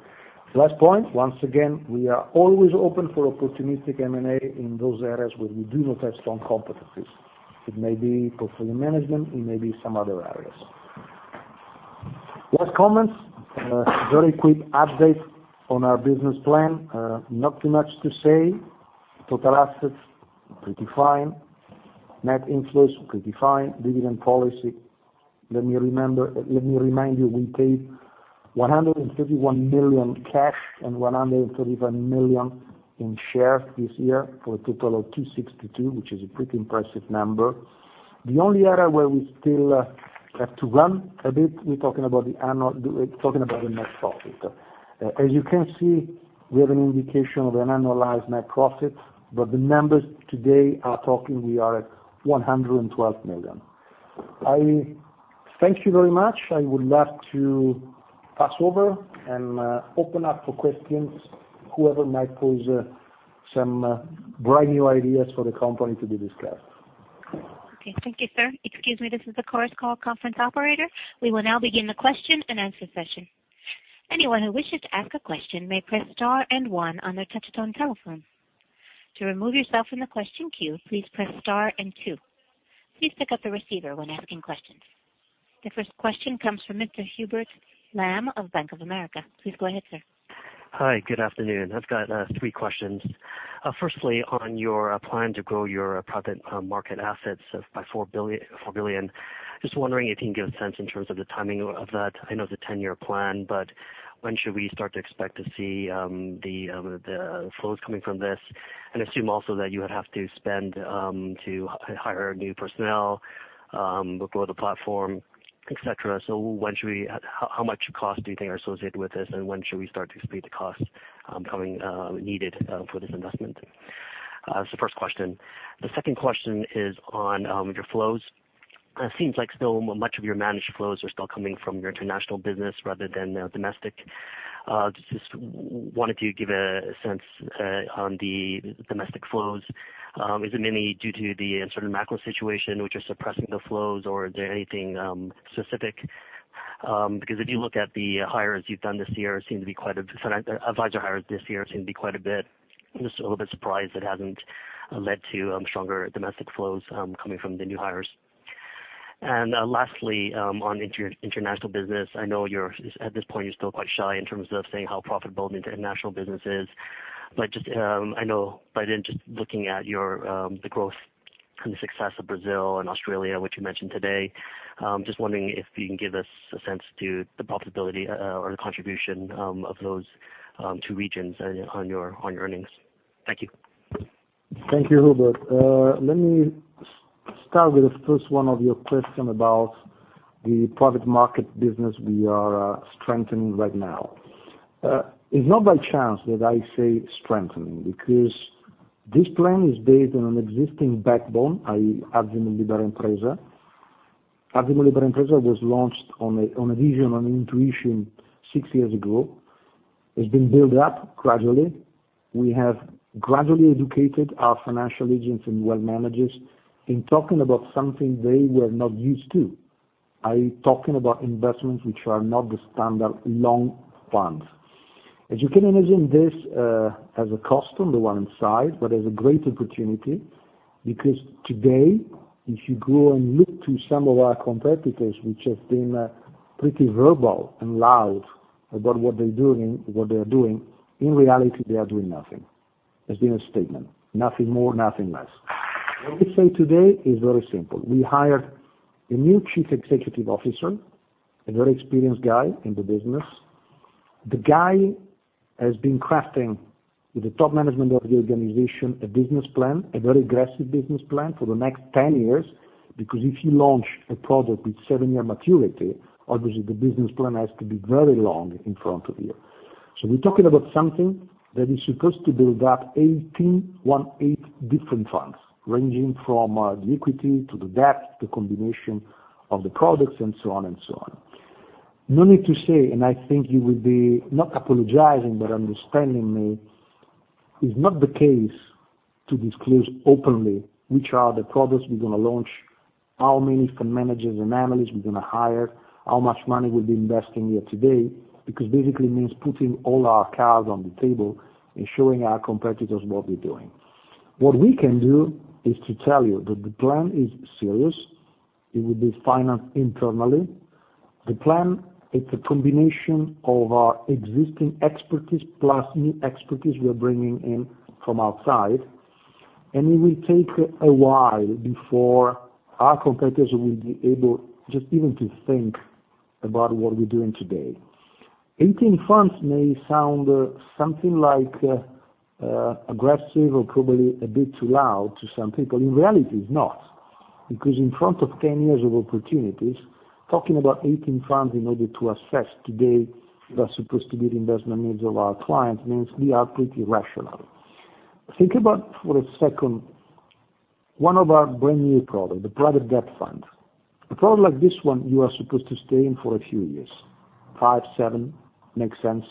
Last point, once again, we are always open for opportunistic M&A in those areas where we do not have strong competencies. It may be portfolio management, it may be some other areas. Last comments, a very quick update on our business plan. Not too much to say. Total assets, pretty fine. Net inflows, pretty fine. Dividend policy, let me remind you, we paid 131 million cash and 131 million in shares this year for a total of 262 million, which is a pretty impressive number. The only area where we still have to run a bit, we're talking about the net profit. As you can see, we have an indication of an annualized net profit. The numbers today are talking, we are at 112 million. I thank you very much. I would love to pass over and open up for questions, whoever might pose some brand new ideas for the company to be discussed. Thank you, sir. Excuse me, this is the Chorus Call Conference Operator. We will now begin the Q&A session. Anyone who wishes to ask a question may press star and one on their touch-tone telephone. To remove yourself from the question queue, please press star and two. Please pick up the receiver when asking questions. The first question comes from Mr. Hubert Lam of Bank of America. Please go ahead, sir. Hi, good afternoon. I've got three questions. Firstly, on your plan to grow your private market assets by 4 billion. Just wondering if you can give a sense in terms of the timing of that. I know it's a 10-year plan. When should we start to expect to see the flows coming from this? Assume also that you would have to spend to hire new personnel, grow the platform, et cetera. How much cost do you think are associated with this, and when should we start to expect the cost coming needed for this investment? That's the first question. The second question is on your flows. It seems like still much of your managed flows are still coming from your international business rather than domestic. Just wanted to give a sense on the domestic flows. Is it mainly due to the certain macro situation which are suppressing the flows, or is there anything specific? If you look at the hires you've done this year, advisor hires this year seem to be quite a bit. I'm just a little bit surprised it hasn't led to stronger domestic flows coming from the new hires. Lastly, on international business, I know at this point you're still quite shy in terms of saying how profitable the international business is. Just I know by then, just looking at the growth and the success of Brazil and Australia, which you mentioned today, just wondering if you can give us a sense to the profitability or the contribution of those two regions on your earnings. Thank you. Thank you, Hubert. Let me start with the first one of your question about the private market business we are strengthening right now. It's not by chance that I say strengthening, because this plan is based on an existing backbone, i.e., Azimut Libera Impresa. Azimut Libera Impresa was launched on a vision, on intuition six years ago. It's been built up gradually. We have gradually educated our financial agents and wealth managers in talking about something they were not used to, i.e., talking about investments which are not the standard long funds. As you can imagine, this has a cost on the one side, but has a great opportunity. Today, if you go and look to some of our competitors, which have been pretty verbal and loud about what they're doing, in reality, they are doing nothing. It's been a statement. Nothing more, nothing less. What we say today is very simple. We hired a new Chief Executive Officer, a very experienced guy in the business. The guy has been crafting with the top management of the organization, a business plan, a very aggressive business plan for the next 10 years. If you launch a product with seven-year maturity, obviously the business plan has to be very long in front of you. We're talking about something that is supposed to build up 18 different funds, ranging from the equity to the debt, the combination of the products, and so on. No need to say, I think you will be not apologizing, but understanding me. It's not the case to disclose openly which are the products we're going to launch, how many fund managers and analysts we're going to hire, how much money we'll be investing here today, basically means putting all our cards on the table and showing our competitors what we're doing. What we can do is to tell you that the plan is serious. It will be financed internally. The plan, it's a combination of our existing expertise plus new expertise we are bringing in from outside. It will take a while before our competitors will be able just even to think about what we're doing today. 18 funds may sound something like aggressive or probably a bit too loud to some people. In reality, it's not. In front of 10 years of opportunities, talking about 18 funds in order to assess today what are supposed to be the investment needs of our clients means we are pretty rational. Think about for a second, one of our brand new products, the private debt fund. A product like this one, you are supposed to stay in for a few years. Five, seven makes sense.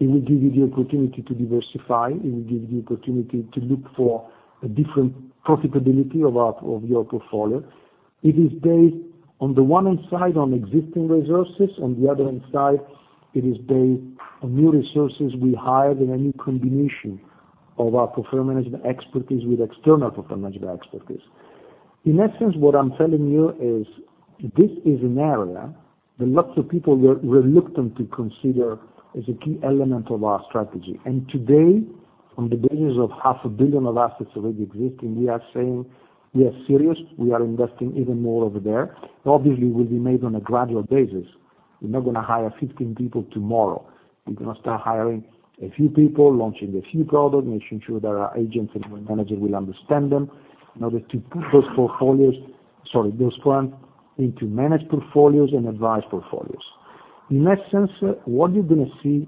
It will give you the opportunity to diversify. It will give you the opportunity to look for a different profitability of your portfolio. It is based on the one hand side, on existing resources, on the other hand side, it is based on new resources we hired and a new combination of our portfolio management expertise with external portfolio management expertise. In that sense, what I'm telling you is, this is an area that lots of people were reluctant to consider as a key element of our strategy. Today, on the basis of half a billion of assets already existing, we are saying we are serious. We are investing even more over there. Obviously, it will be made on a gradual basis. We're not going to hire 15 people tomorrow. We're going to start hiring a few people, launching a few products, making sure there are agents and managers will understand them in order to put those funds into managed portfolios and advised portfolios. In that sense, what you're going to see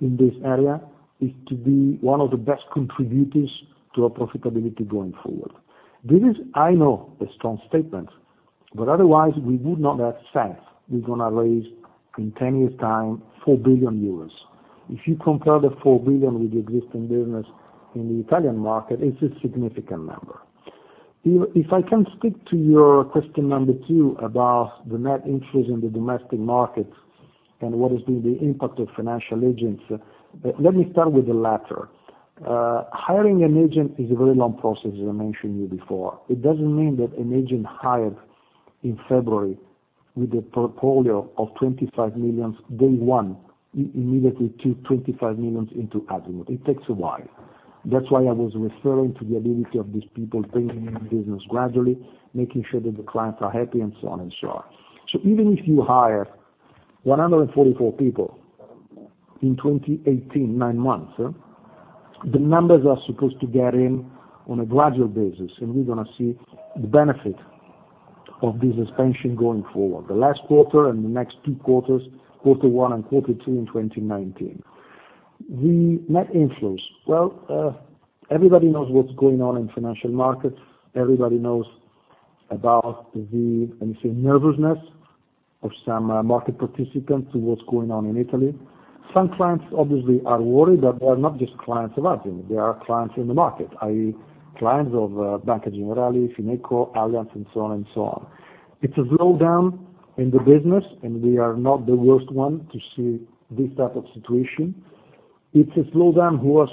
in this area is to be one of the best contributors to our profitability going forward. This is, I know, a strong statement. Otherwise, we would not have said we're going to raise in 10- year time, 4 billion euros. If you compare the 4 billion with the existing business in the Italian market, it's a significant number. If I can speak to your question number two about the net interest in the domestic markets and what has been the impact of financial agents, let me start with the latter. Hiring an agent is a very long process, as I mentioned you before. It doesn't mean that an agent hired in February, with a portfolio of 25 million, day one, immediately took 25 million into Azimut. It takes a while. That's why I was referring to the ability of these people bringing in business gradually, making sure that the clients are happy, and so on. Even if you hire 144 people in 2018, nine months, the numbers are supposed to get in on a gradual basis. We're going to see the benefit of this expansion going forward. The last quarter and the next two quarters, quarter one and quarter two in 2019. The net inflows. Everybody knows what's going on in financial markets. Everybody knows about the, let me say, nervousness of some market participants to what's going on in Italy. Some clients, obviously, are worried. They are not just clients of Azimut. They are clients in the market, i.e., clients of Banca Generali, FinecoBank, Allianz, and so on. It's a slowdown in the business. We are not the worst one to see this type of situation. It's a slowdown which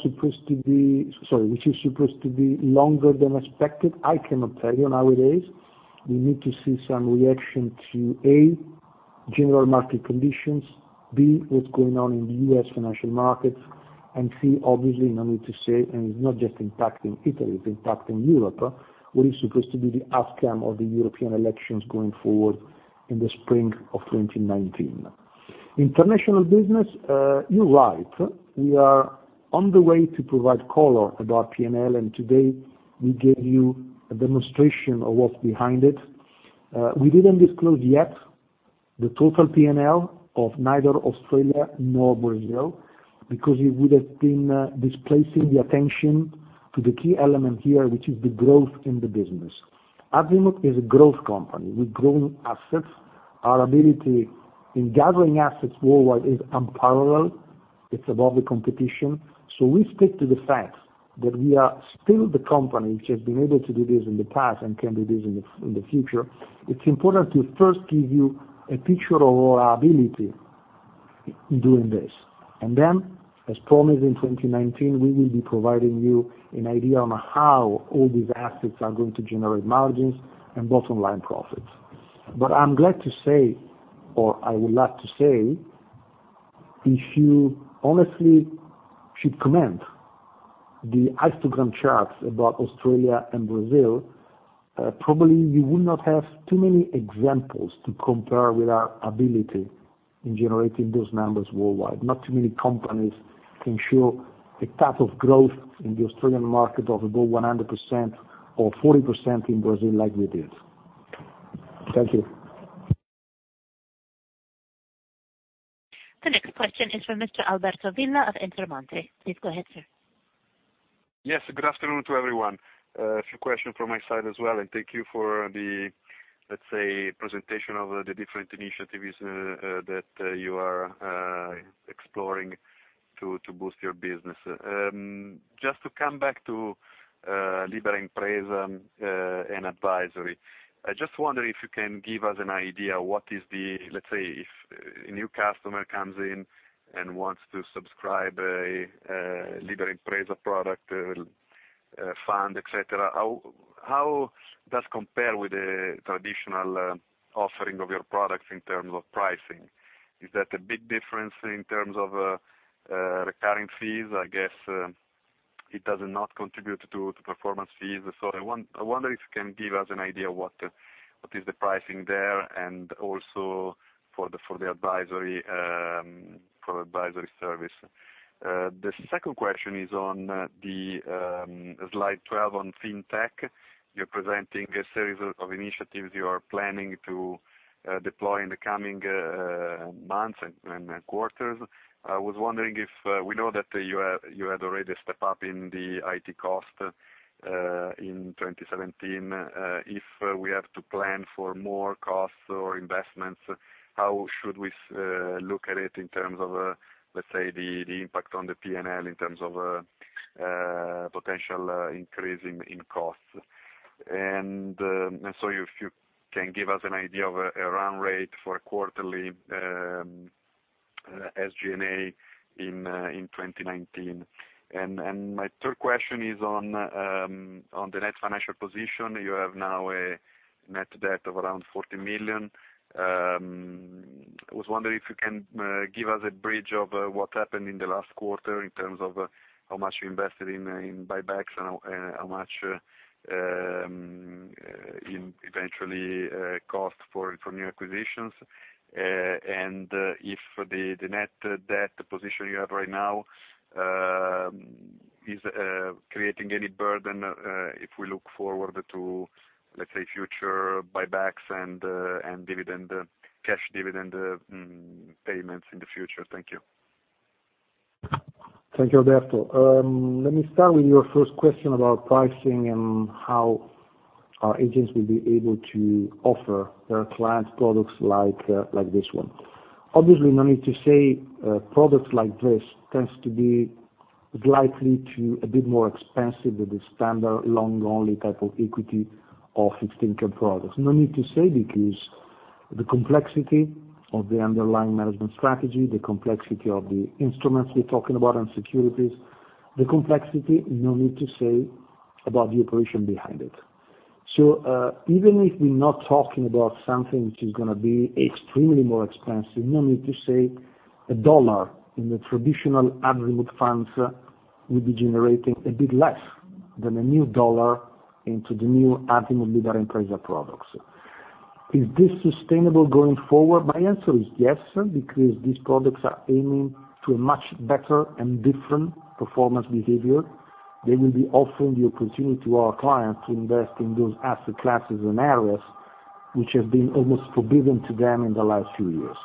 is supposed to be longer than expected. I cannot tell you nowadays. We need to see some reaction to, A, general market conditions, B, what's going on in the U.S. financial markets, C, obviously, no need to say. It's not just impacting Italy, it's impacting Europe, what is supposed to be the outcome of the European elections going forward in the spring of 2019. International business, you're right. We are on the way to provide color about P&L. Today, we gave you a demonstration of what's behind it. We didn't disclose yet the total P&L of neither Australia nor Brazil, because it would have been displacing the attention to the key element here, which is the growth in the business. Azimut is a growth company. We've grown assets. Our ability in gathering assets worldwide is unparalleled. It's above the competition. We stick to the fact that we are still the company which has been able to do this in the past and can do this in the future. It is important to first give you a picture of our ability in doing this. Then, as promised, in 2019, we will be providing you an idea on how all these assets are going to generate margins and bottom line profits. I am glad to say, or I would like to say, if you honestly should comment the histogram charts about Australia and Brazil, probably you would not have too many examples to compare with our ability in generating those numbers worldwide. Not too many companies can show a type of growth in the Australian market of above 100%, or 40% in Brazil like we did. Thank you. The next question is from Mr. Alberto Villa of Intermonte. Please go ahead, sir. Yes. Good afternoon to everyone. A few questions from my side as well, and thank you for the, let's say, presentation of the different initiatives that you are exploring to boost your business. Just to come back to Azimut Libera Impresa and advisory. I just wonder if you can give us an idea, let's say, if a new customer comes in and wants to subscribe an Azimut Libera Impresa product, fund, et cetera. How does compare with the traditional offering of your products in terms of pricing? Is that a big difference in terms of recurring fees? I guess, it does not contribute to performance fees. I wonder if you can give us an idea what the- What is the pricing there and also for the advisory service? The second question is on slide 12 on fintech. You are presenting a series of initiatives you are planning to deploy in the coming months and quarters. I was wondering, we know that you had already stepped up in the IT cost in 2017, if we have to plan for more costs or investments, how should we look at it in terms of, let's say, the impact on the P&L in terms of potential increase in costs? So if you can give us an idea of a run rate for quarterly SG&A in 2019. My third question is on the net financial position. You have now a net debt of around 40 million. I was wondering if you can give us a bridge of what happened in the last quarter in terms of how much you invested in buybacks and how much eventually cost for new acquisitions. If the net debt position you have right now is creating any burden, if we look forward to, let's say, future buybacks and cash dividend payments in the future. Thank you. Thank you, Alberto. Let me start with your first question about pricing and how our agents will be able to offer their client products like this one. Obviously, no need to say, a product like this tends to be likely a bit more expensive than the standard long only type of equity or fixed income products. No need to say, because the complexity of the underlying management strategy, the complexity of the instruments we're talking about and securities, the complexity, no need to say, about the operation behind it. Even if we're not talking about something which is going to be extremely more expensive, no need to say, a dollar in the traditional Azimut funds will be generating a bit less than a new dollar into the new Azimut Libera Impresa products. Is this sustainable going forward? My answer is yes, because these products are aiming to a much better and different performance behavior. They will be offering the opportunity to our clients to invest in those asset classes and areas which have been almost forbidden to them in the last few years.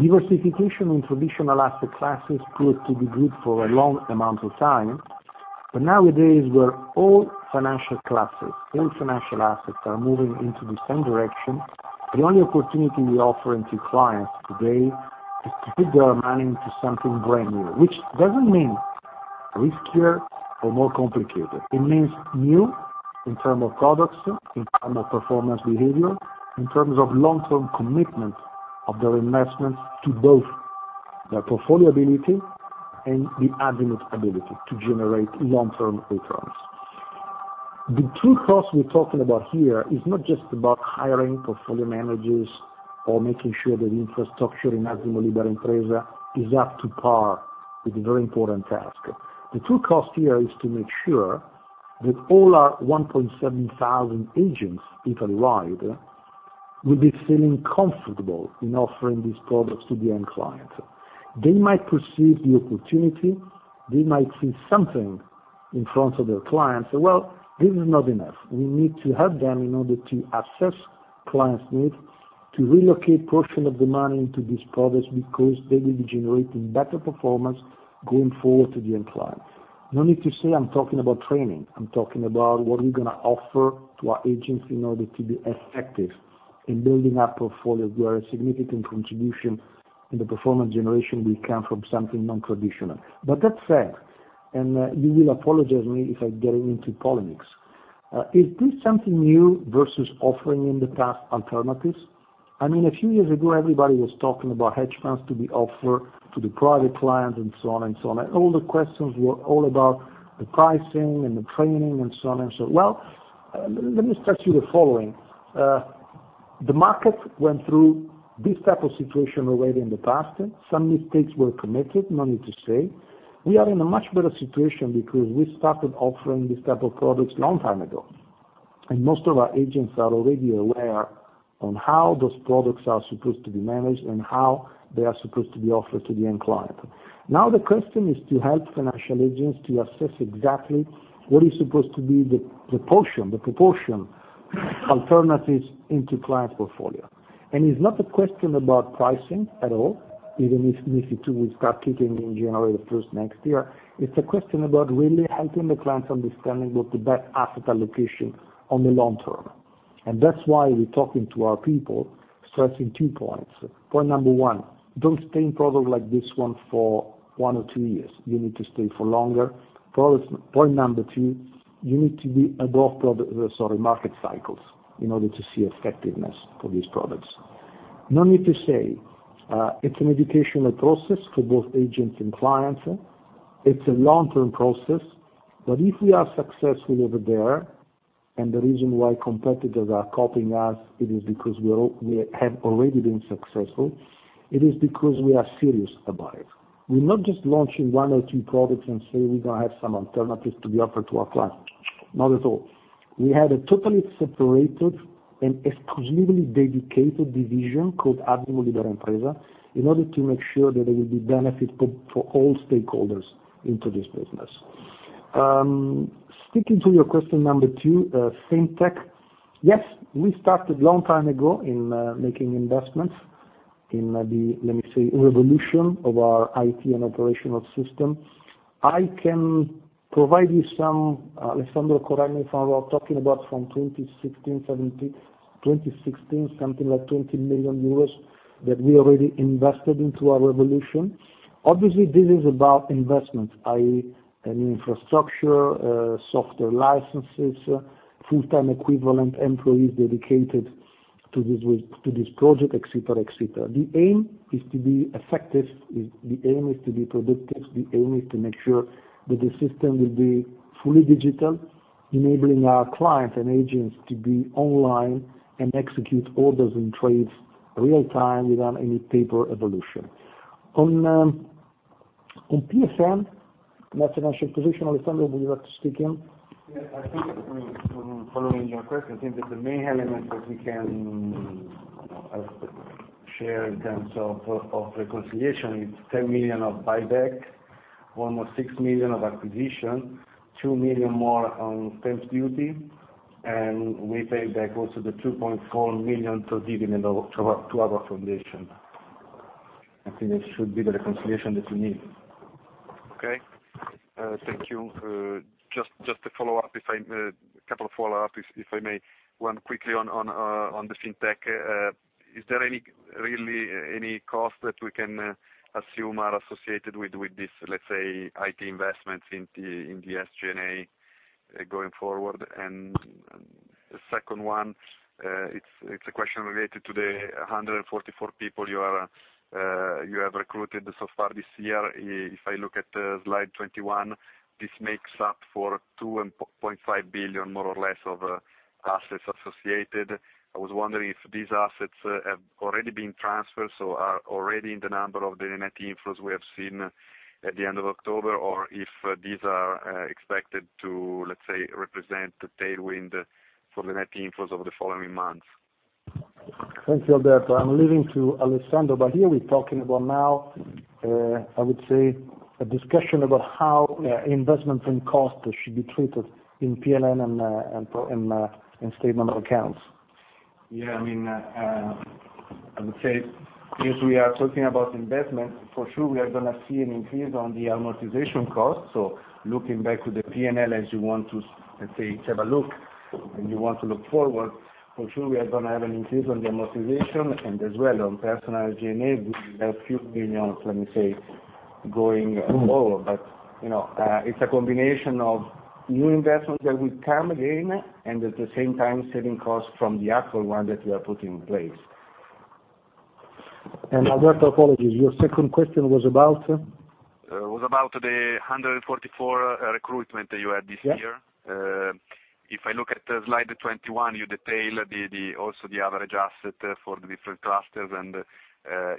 Diversification in traditional asset classes proved to be good for a long amount of time. Nowadays, where all financial classes, all financial assets, are moving into the same direction, the only opportunity we offering to clients today is to put their money into something brand new, which doesn't mean riskier or more complicated. It means new in terms of products, in terms of performance behavior, in terms of long-term commitment of their investments to both the portfolio ability and the Azimut ability to generate long-term returns. The true cost we're talking about here is not just about hiring portfolio managers or making sure that infrastructure in Azimut Libera Impresa is up to par. It is a very important task. The true cost here is to make sure that all our 1,700 agents Italy-wide will be feeling comfortable in offering these products to the end client. They might perceive the opportunity, they might see something in front of their clients. Well, this is not enough. We need to help them in order to assess clients' needs, to relocate portion of the money into these products because they will be generating better performance going forward to the end client. No need to say, I'm talking about training. I'm talking about what we're going to offer to our agents in order to be effective in building up portfolio where a significant contribution in the performance generation will come from something non-traditional. That said, you will apologize me if I'm getting into politics. Is this something new versus offering in the past alternatives? A few years ago, everybody was talking about hedge funds to be offered to the private clients and so on and so on. All the questions were all about the pricing and the training and so and so. Well, let me stress you the following. The market went through this type of situation already in the past. Some mistakes were committed, no need to say. We are in a much better situation because we started offering these type of products long time ago. Most of our agents are already aware on how those products are supposed to be managed and how they are supposed to be offered to the end client. Now, the question is to help financial agents to assess exactly what is supposed to be the proportion alternatives into client portfolio. It's not a question about pricing at all, even if MiFID II will start kicking in January the 1st next year. It's a question about really helping the clients understanding what the best asset allocation on the long term. That's why we're talking to our people, stressing two points. Point number one, don't stay in product like this one for one or two years. You need to stay for longer. Point number two, you need to be above market cycles in order to see effectiveness of these products. No need to say, it's an educational process for both agents and clients. It's a long-term process, if we are successful over there, the reason why competitors are copying us, it is because we have already been successful, it is because we are serious about it. We're not just launching one or two products and say we're going to have some alternatives to be offered to our clients. Not at all. We have a totally separated and exclusively dedicated division called Azimut Libera Impresa, in order to make sure that there will be benefit for all stakeholders into this business. Sticking to your question number two, FinTech. Yes, we started long time ago in making investments in the, let me say, revolution of our IT and operational system. I can provide you some, Alessandro Coralli, if I were talking about from 2016, something like 20 million euros that we already invested into our revolution. Obviously, this is about investment, i.e., a new infrastructure, software licenses, full-time equivalent employees dedicated to this project, et cetera. The aim is to be effective, the aim is to be productive, the aim is to make sure that the system will be fully digital, enabling our clients and agents to be online and execute orders and trades real time without any paper evolution. On NFP, net financial position, Alessandro, would you like to speak in? Yes, I think following your question, I think that the main element that we can share in terms of reconciliation, it's 10 million of buyback, almost 6 million of acquisition, 2 million more on stamp duty, and we pay back also the 2.4 million to dividend to our foundation. I think that should be the reconciliation that you need. Okay. Thank you. Just a follow-up, a couple of follow-ups, if I may. One, quickly on the FinTech. Is there really any cost that we can assume are associated with this, let's say, IT investments in the SG&A going forward? The second one, it's a question related to the 144 people you have recruited so far this year. If I look at slide 21, this makes up for 2.5 billion, more or less, of assets associated. I was wondering if these assets have already been transferred, so are already in the number of the net inflows we have seen at the end of October, or if these are expected to, let's say, represent the tailwind for the net inflows over the following months. Thanks, Alberto. I'm leaving to Alessandro. Here we're talking about now, I would say, a discussion about how investments and costs should be treated in P&L and statement of accounts. I would say since we are talking about investment, for sure, we are going to see an increase on the amortization cost. Looking back to the P&L, as you want to, let's say, have a look, and you want to look forward, for sure, we are going to have an increase on the amortization, and as well on personal G&A, we have a few million, let me say, going forward. It's a combination of new investments that will come again, and at the same time, saving costs from the actual one that we are putting in place. Alberto, apologies. Your second question was about? Was about the 144 recruitment that you had this year. Yeah. If I look at slide 21, you detail also the average asset for the different clusters, and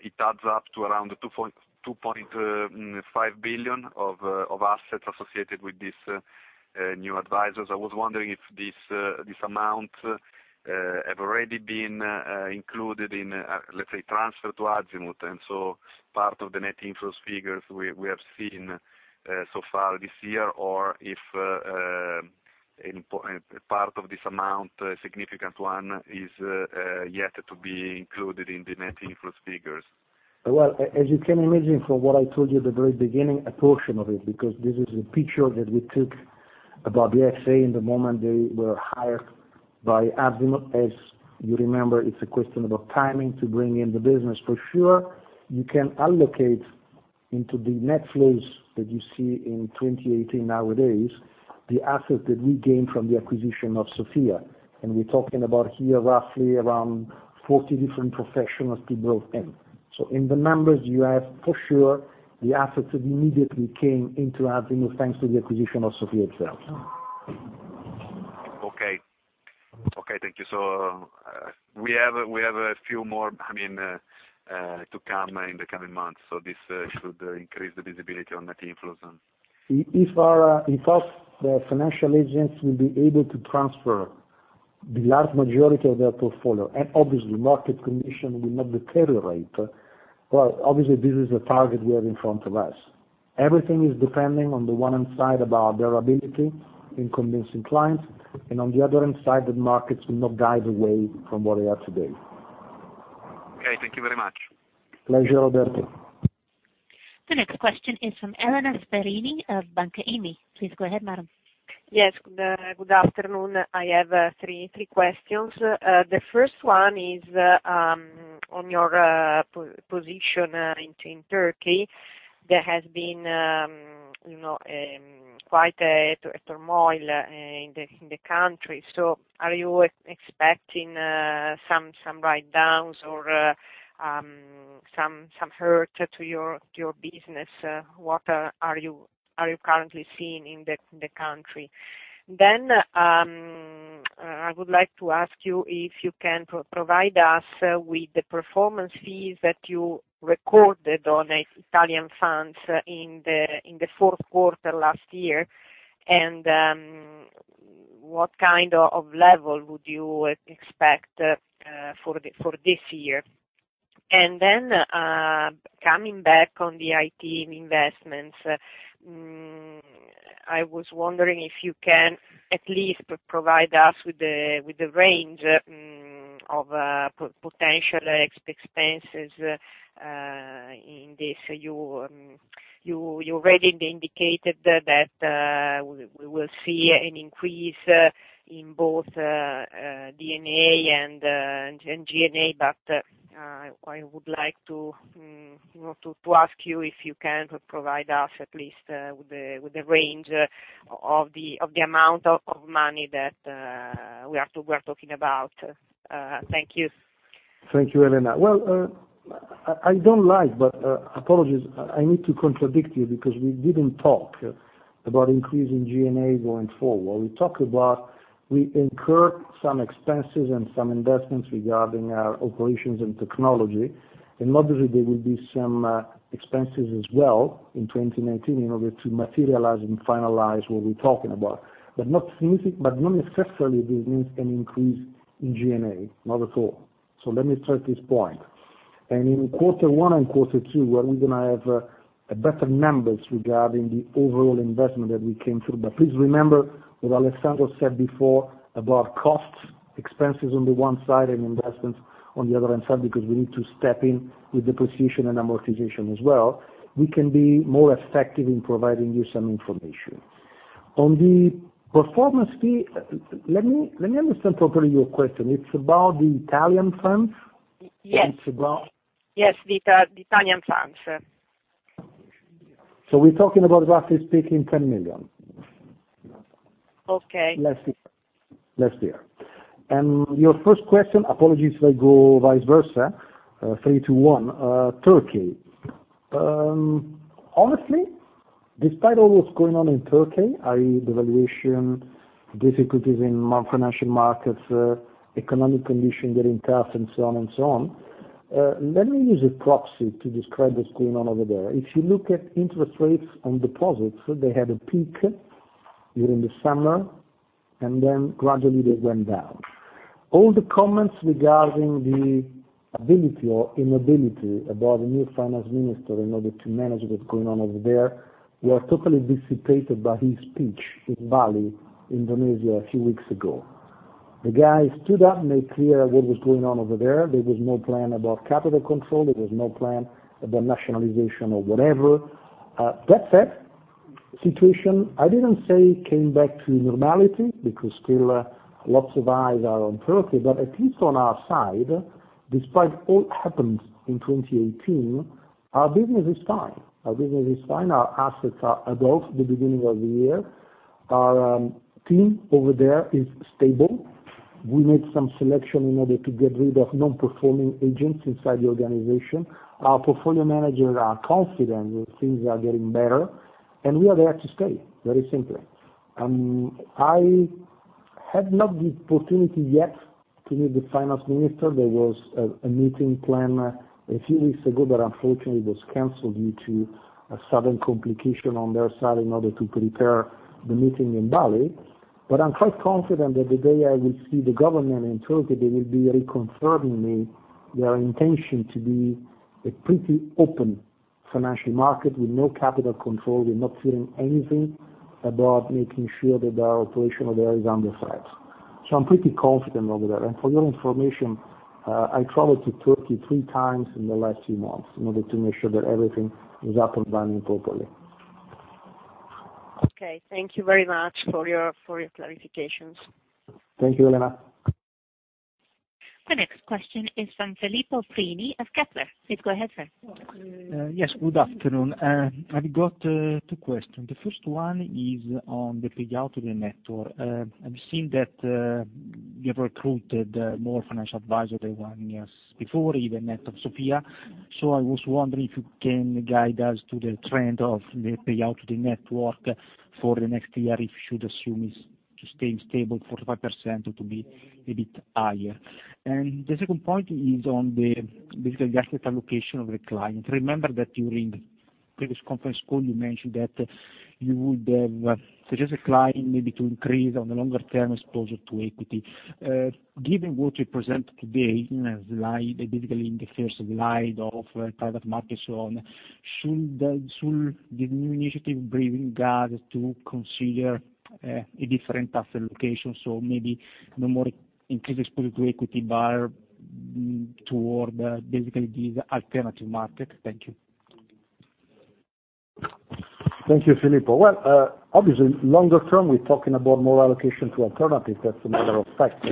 it adds up to around 2.5 billion of assets associated with these new advisors. I was wondering if this amount have already been included in, let's say, transfer to Azimut, and so part of the net inflows figures we have seen so far this year, or if part of this amount, a significant one, is yet to be included in the net inflows figures. As you can imagine from what I told you at the very beginning, a portion of it, because this is a picture that we took about the FA in the moment they were hired by Azimut. As you remember, it's a question about timing to bring in the business. For sure, you can allocate into the net flows that you see in 2018 nowadays, the assets that we gained from the acquisition of Sofia. We're talking about here roughly around 40 different professionals people in. In the numbers you have, for sure, the assets that immediately came into Azimut, thanks to the acquisition of Sofia itself. Okay. Thank you, so we have a few more to come in the coming months, so this should increase the visibility on net inflows then. If our financial agents will be able to transfer the large majority of their portfolio, and obviously market condition will not deteriorate, well, obviously, this is a target we have in front of us. Everything is depending on the one hand side about their ability in convincing clients, and on the other hand side, the markets will not guide away from where they are today. Okay, thank you very much. Pleasure, Alberto The next question is from Elena Perini of Banca IMI. Please go ahead, madam. Yes. Good afternoon. I have three questions. The first one is on your position in Turkey. There has been quite a turmoil in the country. Are you expecting some write downs or some hurt to your business? What are you currently seeing in the country? I would like to ask you if you can provide us with the performance fees that you recorded on Italian funds in the fourth quarter last year, and what kind of level would you expect for this year? Coming back on the IT investments, I was wondering if you can at least provide us with the range of potential expenses in this. You already indicated that we will see an increase in both D&A and G&A. I would like to ask you if you can provide us at least with the range of the amount of money that we're talking about Thank you. Thank you, Elena. I don't like, apologies, I need to contradict you because we didn't talk about increasing G&A going forward. We incur some expenses and some investments regarding our operations and technology. Obviously there will be some expenses as well in 2019 in order to materialize and finalize what we're talking about. Not necessarily this means an increase in G&A. Not at all. Let me start this point. In quarter one and quarter two, where we're going to have better numbers regarding the overall investment that we came through. Please remember what Alessandro said before about costs, expenses on the one side, and investments on the other side, because we need to step in with depreciation and amortization as well. We can be more effective in providing you some information. On the performance fee, let me understand properly your question. It's about the Italian funds? Yes. It's about- Yes. The Italian funds. We're talking about roughly speaking, 10 million. Okay. Less here. Your first question, apologies if I go vice versa. Three, two, one. Turkey. Honestly, despite all what's going on in Turkey, i.e., devaluation, difficulties in financial markets, economic condition getting tough, and so on. Let me use a proxy to describe what's going on over there. If you look at interest rates on deposits, they had a peak during the summer, and then gradually they went down. All the comments regarding the ability or inability about the new finance minister in order to manage what's going on over there, were totally dissipated by his speech in Bali, Indonesia a few weeks ago. The guy stood up, made clear what was going on over there. There was no plan about capital control. There was no plan about nationalization or whatever. That said, situation, I didn't say came back to normality because still lots of eyes are on Turkey, but at least on our side, despite all happened in 2018, our business is fine. Our assets are above the beginning of the year. Our team over there is stable. We made some selection in order to get rid of non-performing agents inside the organization. Our portfolio managers are confident that things are getting better. We are there to stay, very simply. I had not the opportunity yet to meet the finance minister. There was a meeting planned a few weeks ago, but unfortunately, it was canceled due to a sudden complication on their side in order to prepare the meeting in Bali. I'm quite confident that the day I will see the government in Turkey, they will be reconfirming me their intention to be a pretty open financial market with no capital control. We're not feeling anything about making sure that our operation over there is under threat. I'm pretty confident over there. For your information, I traveled to Turkey three times in the last few months in order to make sure that everything is up and running properly. Okay. Thank you very much for your clarifications. Thank you, Elena. The next question is from Filippo Prini of Kepler. Please go ahead, sir. Yes, good afternoon. I've got two questions. The first one is on the payout of the network. I've seen that you have recruited more financial advisory one years before, even net of Sofia. I was wondering if you can guide us to the trend of the payout to the network for the next year, if you should assume it's to stay stable at 45% or to be a bit higher. The second point is on the basic asset allocation of the client. Remember that during the previous conference call, you mentioned that you would have suggested client maybe to increase on the longer term exposure to equity. Given what you present today, in a slide, basically in the first slide of private markets on, should the new initiative bring us to consider a different asset allocation? Maybe no more increase exposure to equity bar toward basically these alternative market. Thank you. Thank you, Filippo. Well, obviously, longer term, we're talking about more allocation to alternatives. That's a matter of fact.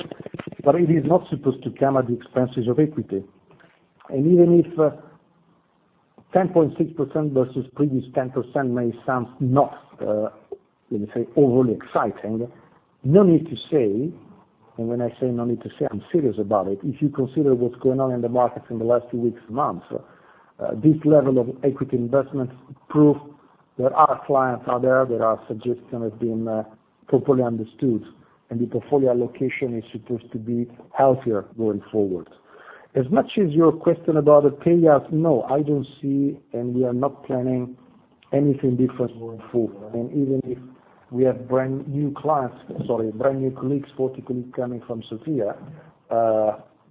It is not supposed to come at the expenses of equity. Even if 10.6% versus previous 10% may sound not, let me say, overly exciting, no need to say, and when I say no need to say, I'm serious about it. If you consider what's going on in the markets in the last few weeks and months, this level of equity investment proves that our clients are there, that our suggestion has been properly understood, and the portfolio location is supposed to be healthier going forward. As much as your question about the payouts, no, I don't see, and we are not planning anything different going forward. Even if we have brand new colleagues, 40 colleagues coming from Sofia,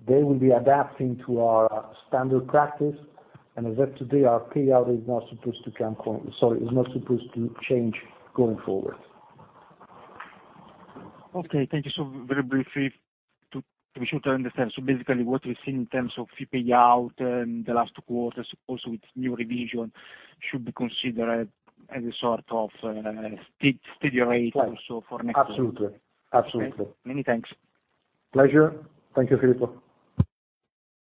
they will be adapting to our standard practice. As of today, our payout is not supposed to change going forward. Okay, thank you. Very briefly, to be sure to understand. Basically what we've seen in terms of fee payout in the last quarter, also with new revision, should be considered as a sort of steady rate also for next year. Absolutely. Okay. Many thanks. Pleasure. Thank you, Filippo.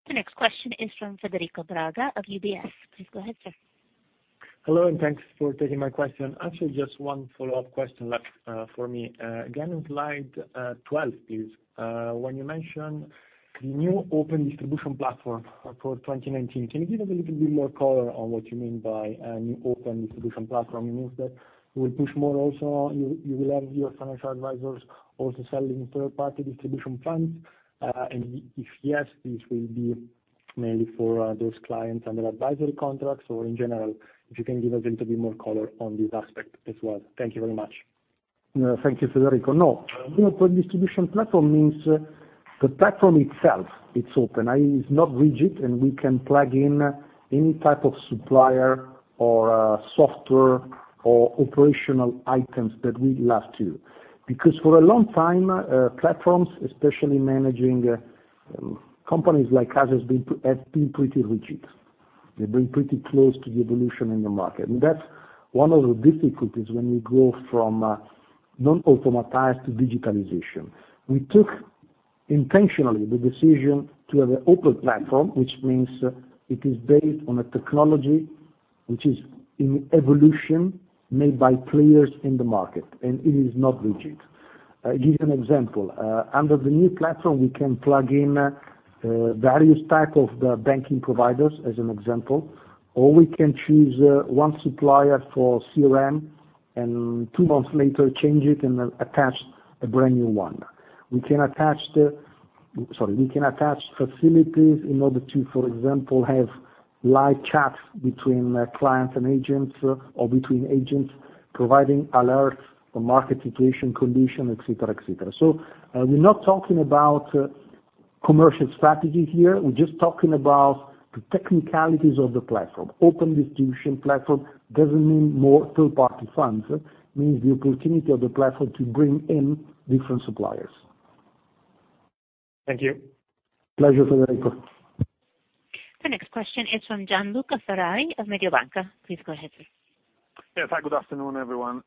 The next question is from Federico Braga of UBS. Please go ahead, sir. Hello, thanks for taking my question. Actually, just one follow-up question left for me. Again, on slide 12, please. When you mention the new open distribution platform for 2019, can you give us a little bit more color on what you mean by a new open distribution platform? It means that you will push more also, you will have your financial advisors also selling third-party distribution funds. If yes, this will be mainly for those clients under advisory contracts or in general. If you can give us a little bit more color on this aspect as well. Thank you very much. Thank you, Federico. No, open distribution platform means the platform itself, it's open. It's not rigid, and we can plug in any type of supplier or software or operational items that we'd love to. For a long time, platforms, especially managing companies like us, have been pretty rigid. They've been pretty close to the evolution in the market. That's one of the difficulties when we go from non-automatized to digitalization. We took, intentionally, the decision to have an open platform, which means it is based on a technology which is in evolution, made by players in the market, and it is not rigid. I give you an example. Under the new platform, we can plug in various types of banking providers, as an example, or we can choose one supplier for CRM and two months later change it and attach a brand new one. We can attach facilities in order to, for example, have live chats between clients and agents or between agents, providing alerts for market situation condition, et cetera. We're not talking about commercial strategy here. We're just talking about the technicalities of the platform. Open distribution platform doesn't mean more third-party funds. It means the opportunity of the platform to bring in different suppliers. Thank you. Pleasure, Federico. The next question is from Gian Luca Ferrari of Mediobanca. Please go ahead, sir. Yes. Hi, good afternoon, everyone.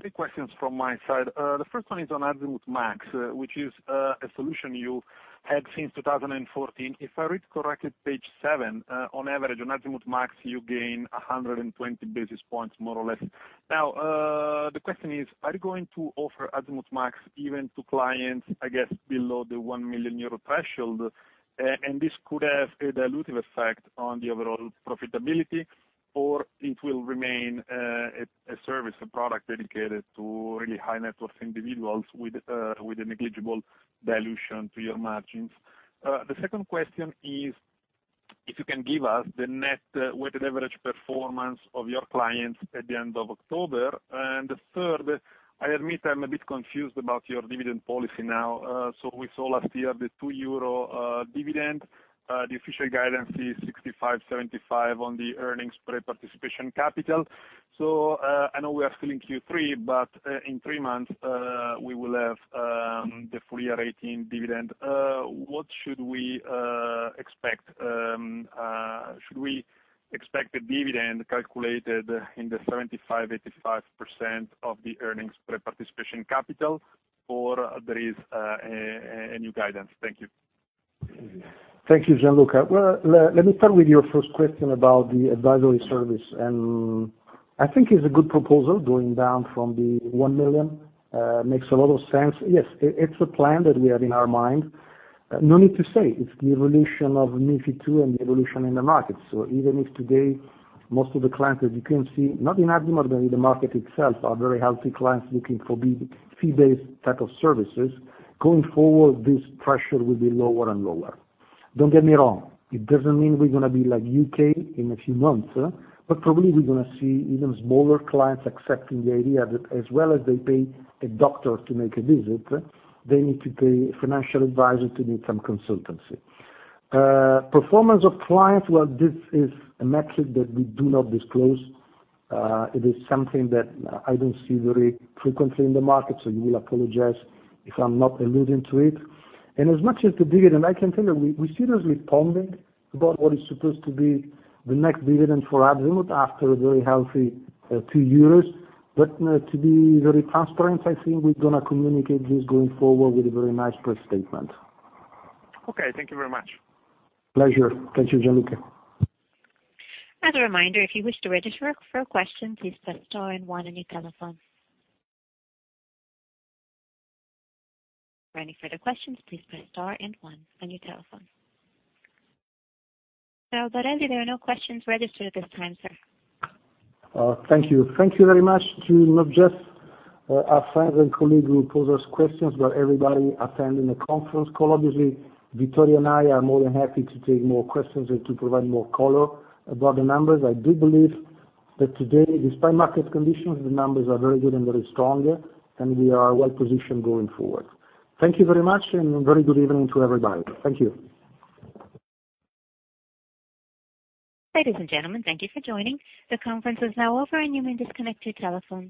Three questions from my side. The first one is on Azimut MAX, which is a solution you had since 2014. If I read correctly, page seven, on average, on Azimut MAX, you gain 120 basis points, more or less. The question is, are you going to offer Azimut MAX even to clients, I guess, below the 1 million euro threshold? This could have a dilutive effect on the overall profitability, or it will remain a service, a product dedicated to really high-net-worth individuals with a negligible dilution to your margins. The second question is if you can give us the net weighted average performance of your clients at the end of October. The third, I admit I'm a bit confused about your dividend policy now. The official guidance is 65%-75% on the earnings per participation capital. I know we are still in Q3, but in three months, we will have the full year rating dividend. What should we expect? Should we expect the dividend calculated in the 75%-85% of the earnings per participation capital, or there is a new guidance? Thank you. Thank you, Gian Luca. Let me start with your first question about the advisory service. I think it's a good proposal, going down from the 1 million. Makes a lot of sense. Yes, it's a plan that we have in our mind. No need to say, it's the evolution of MiFID II and the evolution in the market. Even if today, most of the clients, as you can see, not in Azimut, but in the market itself, are very healthy clients looking for fee-based type of services. Going forward, this pressure will be lower and lower. Don't get me wrong, it doesn't mean we're going to be like U.K. in a few months. Probably we're going to see even smaller clients accepting the idea that as well as they pay a doctor to make a visit, they need to pay a financial advisor to do some consultancy. Performance of clients, this is a metric that we do not disclose. It is something that I don't see very frequently in the market, so you will apologize if I'm not alluding to it. As much as the dividend, I can tell you, we're seriously pondering about what is supposed to be the next dividend for Azimut after a very healthy two years. To be very transparent, I think we're going to communicate this going forward with a very nice press statement. Okay, thank you very much. Pleasure. Thank you, Gian Luca. As a reminder, if you wish to register for a question, please press star and one on your telephone. For any further questions, please press star and one on your telephone. Albarelli, there are no questions registered at this time, sir. Thank you. Thank you very much to not just our friends and colleagues who pose us questions, but everybody attending the conference call. Obviously, Vittorio and I are more than happy to take more questions and to provide more color about the numbers. I do believe that today, despite market conditions, the numbers are very good and very strong, and we are well-positioned going forward. Thank you very much, and very good evening to everybody. Thank you. Ladies and gentlemen, thank you for joining. The conference is now over, and you may disconnect your telephones.